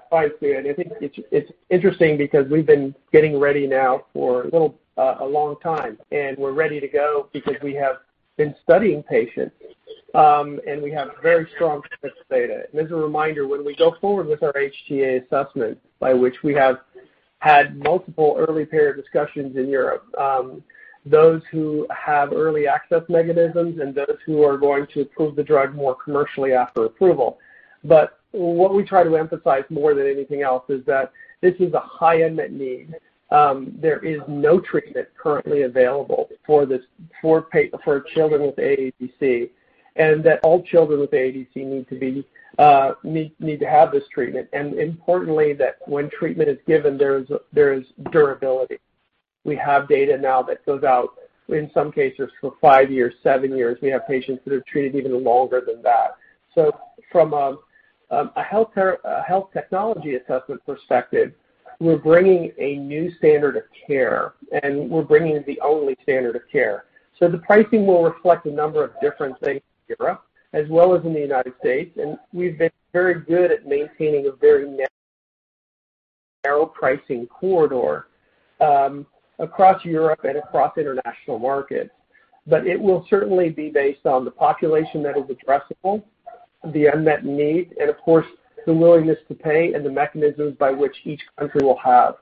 quite clear. I think it's interesting because we've been getting ready now for a long time, and we're ready to go because we have been studying patients, and we have very strong sets of data. As a reminder, when we go forward with our HTA assessment, by which we have had multiple early payer discussions in Europe, those who have early access mechanisms and those who are going to approve the drug more commercially after approval. What we try to emphasize more than anything else is that this is a high unmet need. There is no treatment currently available for children with AADC, and that all children with AADC need to have this treatment. Importantly, that when treatment is given, there is durability. We have data now that goes out, in some cases, for five years, seven years, we have patients who have been treating for longer than that. From a Health Technology Assessment perspective, we're bringing a new standard of care, and we're bringing the only standard of care. The pricing will reflect a number of different things in Europe as well as in the United States. We've been very good at maintaining a very narrow pricing corridor across Europe and across international markets. It will certainly be based on the population that is addressable, the unmet need, and of course, the willingness to pay and the mechanisms by which each country will have.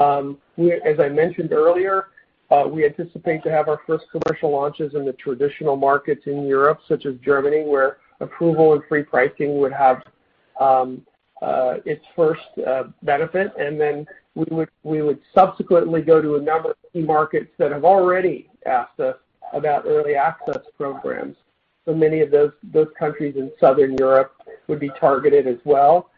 As I mentioned earlier, we anticipate to have our first commercial launches in the traditional markets in Europe, such as Germany, where approval and free pricing would have its first benefit. Then we would subsequently go to a number of key markets that have already asked us about early access programs. Many of those countries in Southern Europe would be targeted as well.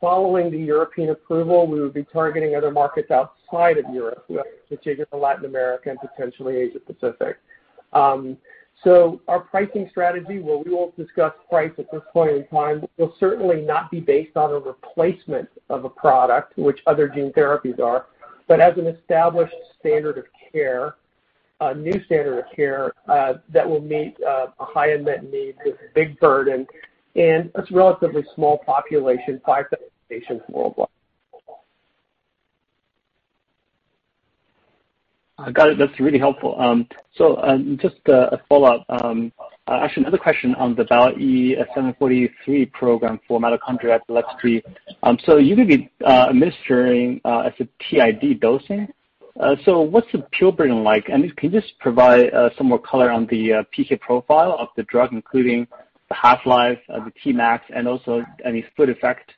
Following the European approval, we would be targeting other markets outside of Europe, particularly Latin America and potentially Asia-Pacific. Our pricing strategy, while we won't discuss price at this point in time, will certainly not be based on a replacement of a product, which other gene therapies are, but as an established standard of care, a new standard of care, that will meet a high unmet need with big burden and a relatively small population, 500 patients worldwide.
Got it. That's really helpful. Just a follow-up. Actually, another question on the PTC743 program for mitochondrial epilepsy. You're going to be administering as a TID dosing. What's the pill burden like, and can you just provide some more color on the PK profile of the drug, including the half-life, the Tmax, and also any food effect?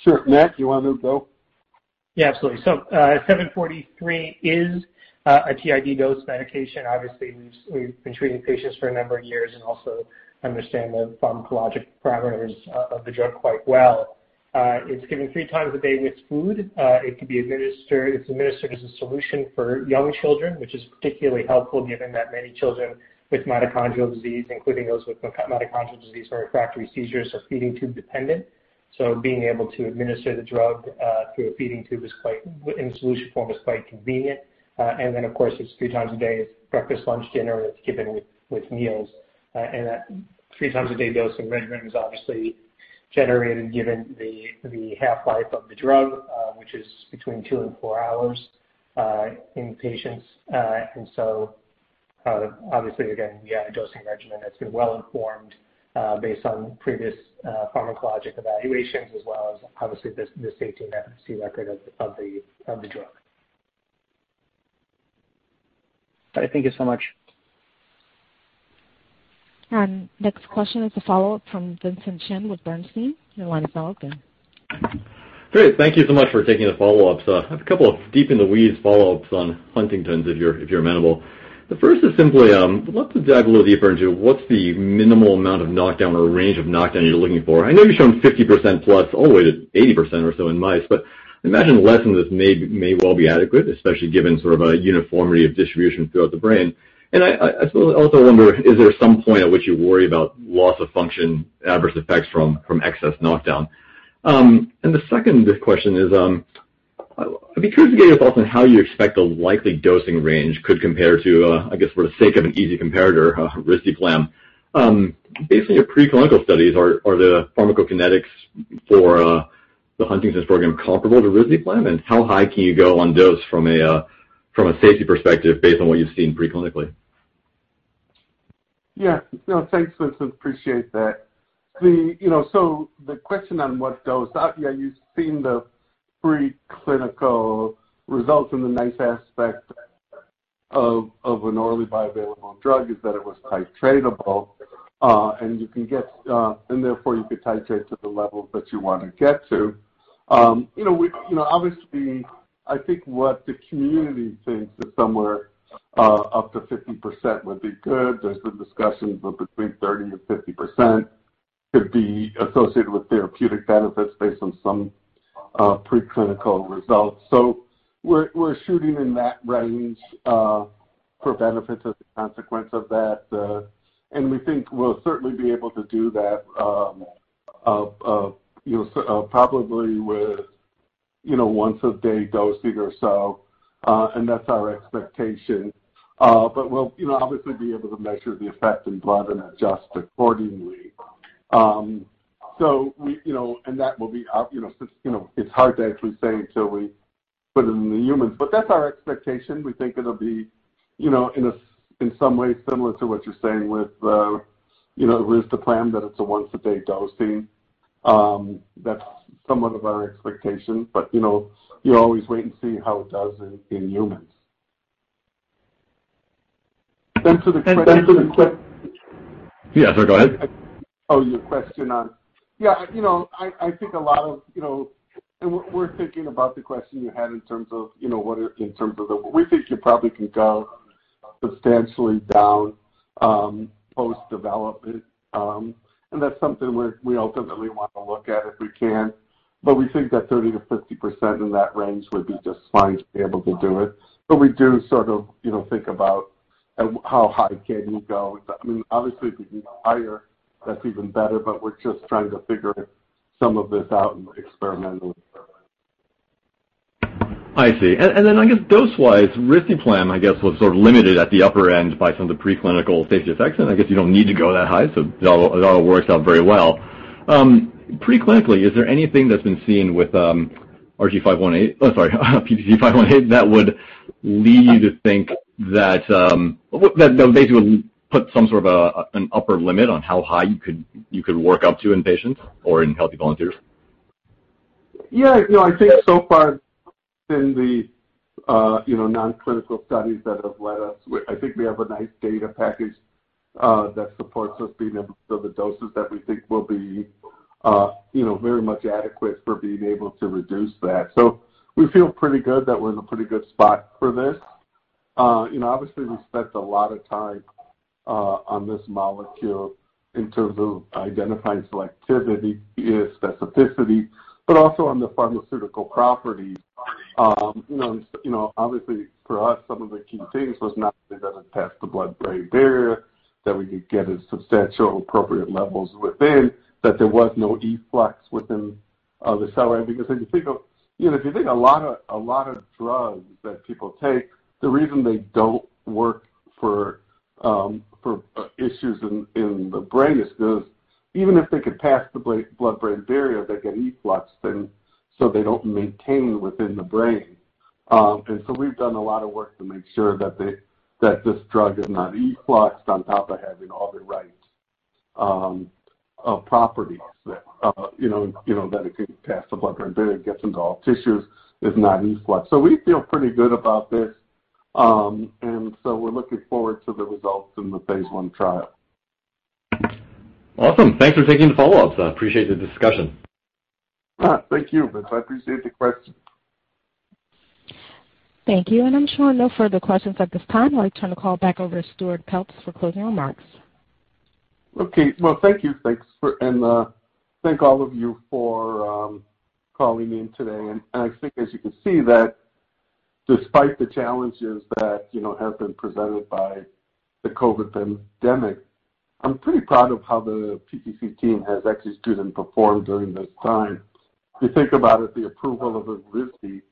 Sure. Matt, you want to go?
Absolutely. 743 is a TID dose medication. We've been treating patients for a number of years and also understand the pharmacologic parameters of the drug quite well. It's given three times a day with food. It's administered as a solution for young children, which is particularly helpful given that many children with mitochondrial disease, including those with mitochondrial disease or refractory seizures, are feeding tube dependent. Being able to administer the drug through a feeding tube in solution form is quite convenient. Of course, it's three times a day. It's breakfast, lunch, dinner, and it's given with meals. That three times a day dosing regimen is obviously generated given the half-life of the drug, which is between two and four hours in patients. Obviously again, yeah, the dosing regimen has been well informed, based on previous pharmacologic evaluations as well as obviously the safety and efficacy record of the drug.
Thank you so much.
Next question is a follow-up from Vincent Chen with Bernstein. Your line is now open.
Great. Thank you so much for taking the follow-ups. I have a couple of deep-in-the-weeds follow-ups on Huntington's, if you're amenable. The first is simply, I'd love to dive a little deeper into what's the minimal amount of knockdown or range of knockdown you're looking for. I know you've shown 50%+ all the way to 80% or so in mice, but I imagine less than this may well be adequate, especially given sort of a uniformity of distribution throughout the brain. I also wonder, is there some point at which you worry about loss of function, adverse effects from excess knockdown? The second question is, I'd be curious to get your thoughts on how you expect the likely dosing range could compare to, I guess for the sake of an easy comparator, risdiplam. Based on your preclinical studies, are the pharmacokinetics for the Huntington's program comparable to risdiplam, and how high can you go on dose from a safety perspective based on what you've seen preclinically?
Yeah. No, thanks, Vincent. Appreciate that. The question on what dose. Yeah, you've seen the preclinical results and the nice aspect of an orally bioavailable drug is that it was titratable. Therefore you could titrate to the level that you want to get to. Obviously, I think what the community thinks is somewhere up to 50% would be good. There's been discussions of between 30%-50% could be associated with therapeutic benefits based on some preclinical results. We're shooting in that range for benefit as a consequence of that. We think we'll certainly be able to do that, probably with once-a-day dosing or so. That's our expectation. We'll obviously be able to measure the effect in blood and adjust accordingly. It's hard to actually say until we put it in the humans, but that's our expectation. We think it'll be in some ways similar to what you're saying with risdiplam, that it's a once-a-day dosing. That's somewhat of our expectation. You always wait and see how it does in humans. Thanks for the question.
Yeah, sorry. Go ahead.
Your question on, we're thinking about the question you had in terms of what we think you probably can go substantially down post-development. That's something we ultimately want to look at if we can, but we think 30%-50% in that range will be just fine and will be able to do it. We do sort of think about how high can you go. If it can go higher, that's even better, but we're just trying to figure some of this out experimentally.
I see. I guess dose-wise, risdiplam, I guess, was sort of limited at the upper end by some of the preclinical safety effects, and I guess you don't need to go that high, so it all works out very well. Pre-clinically, is there anything that's been seen with PTC518 that would lead you to think that basically would put some sort of an upper limit on how high you could work up to in patients or in healthy volunteers?
Yeah. I think so far in the non-clinical studies that have led us, I think we have a nice data package that supports us being able to build the doses that we think will be very much adequate for being able to reduce that. We feel pretty good that we're in a pretty good spot for this. Obviously, we spent a lot of time on this molecule in terms of identifying selectivity, specificity, but also on the pharmaceutical properties. Obviously, for us, some of the key things was not that it doesn't pass the blood-brain barrier, that we could get a substantial appropriate levels within, that there was no efflux within the cell. If you think a lot of drugs that people take, the reason they don't work for issues in the brain is because even if they could pass the blood-brain barrier, they get effluxed and so they don't maintain within the brain. We've done a lot of work to make sure that this drug is not effluxed on top of having all the right properties that it can pass the blood-brain barrier, gets into all tissues, is not effluxed. We feel pretty good about this. We're looking forward to the results in the phase I trial.
Awesome. Thanks for taking the follow-ups. I appreciate the discussion.
Thank you. I appreciate the question.
Thank you. I'm showing no further questions at this time. I'll turn the call back over to Stuart Peltz for closing remarks.
Okay. Well, thank you. Thanks. Thank all of you for calling in today. I think as you can see that despite the challenges that have been presented by the COVID pandemic, I'm pretty proud of how the PTC team has actually stood and performed during this time. If you think about it, the approval of EVRYSDI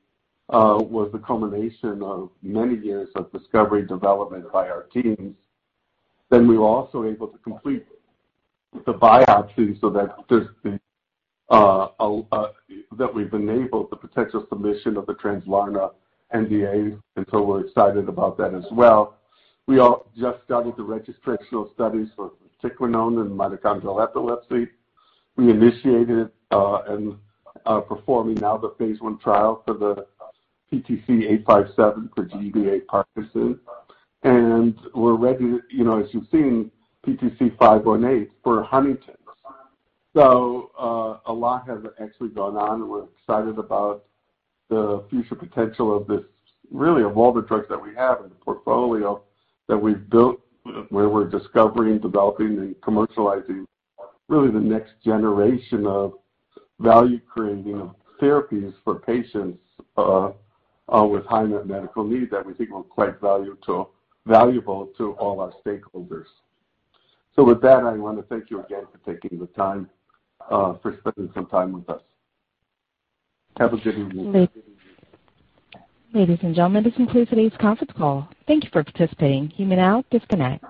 was the culmination of many years of discovery development by our teams. We were also able to complete the buyout too, so that we've enabled the potential submission of theTRANSLARNA NDA, we're excited about that as well. We all just started the registrational studies for vatiquinone and mitochondrial epilepsy. We initiated and are performing now the phase I trial for the PTC857 for GBA Parkinson's. We're ready, as you've seen, PTC518 for Huntington's. A lot has actually gone on. We're excited about the future potential of this, really of all the drugs that we have in the portfolio that we've built, where we're discovering, developing, and commercializing really the next generation of value-creating therapies for patients with high-net medical needs that we think will quite valuable to all our stakeholders. With that, I want to thank you again for taking the time, for spending some time with us. Have a good evening.
Ladies and gentlemen, this concludes today's conference call. Thank you for participating. You may now disconnect.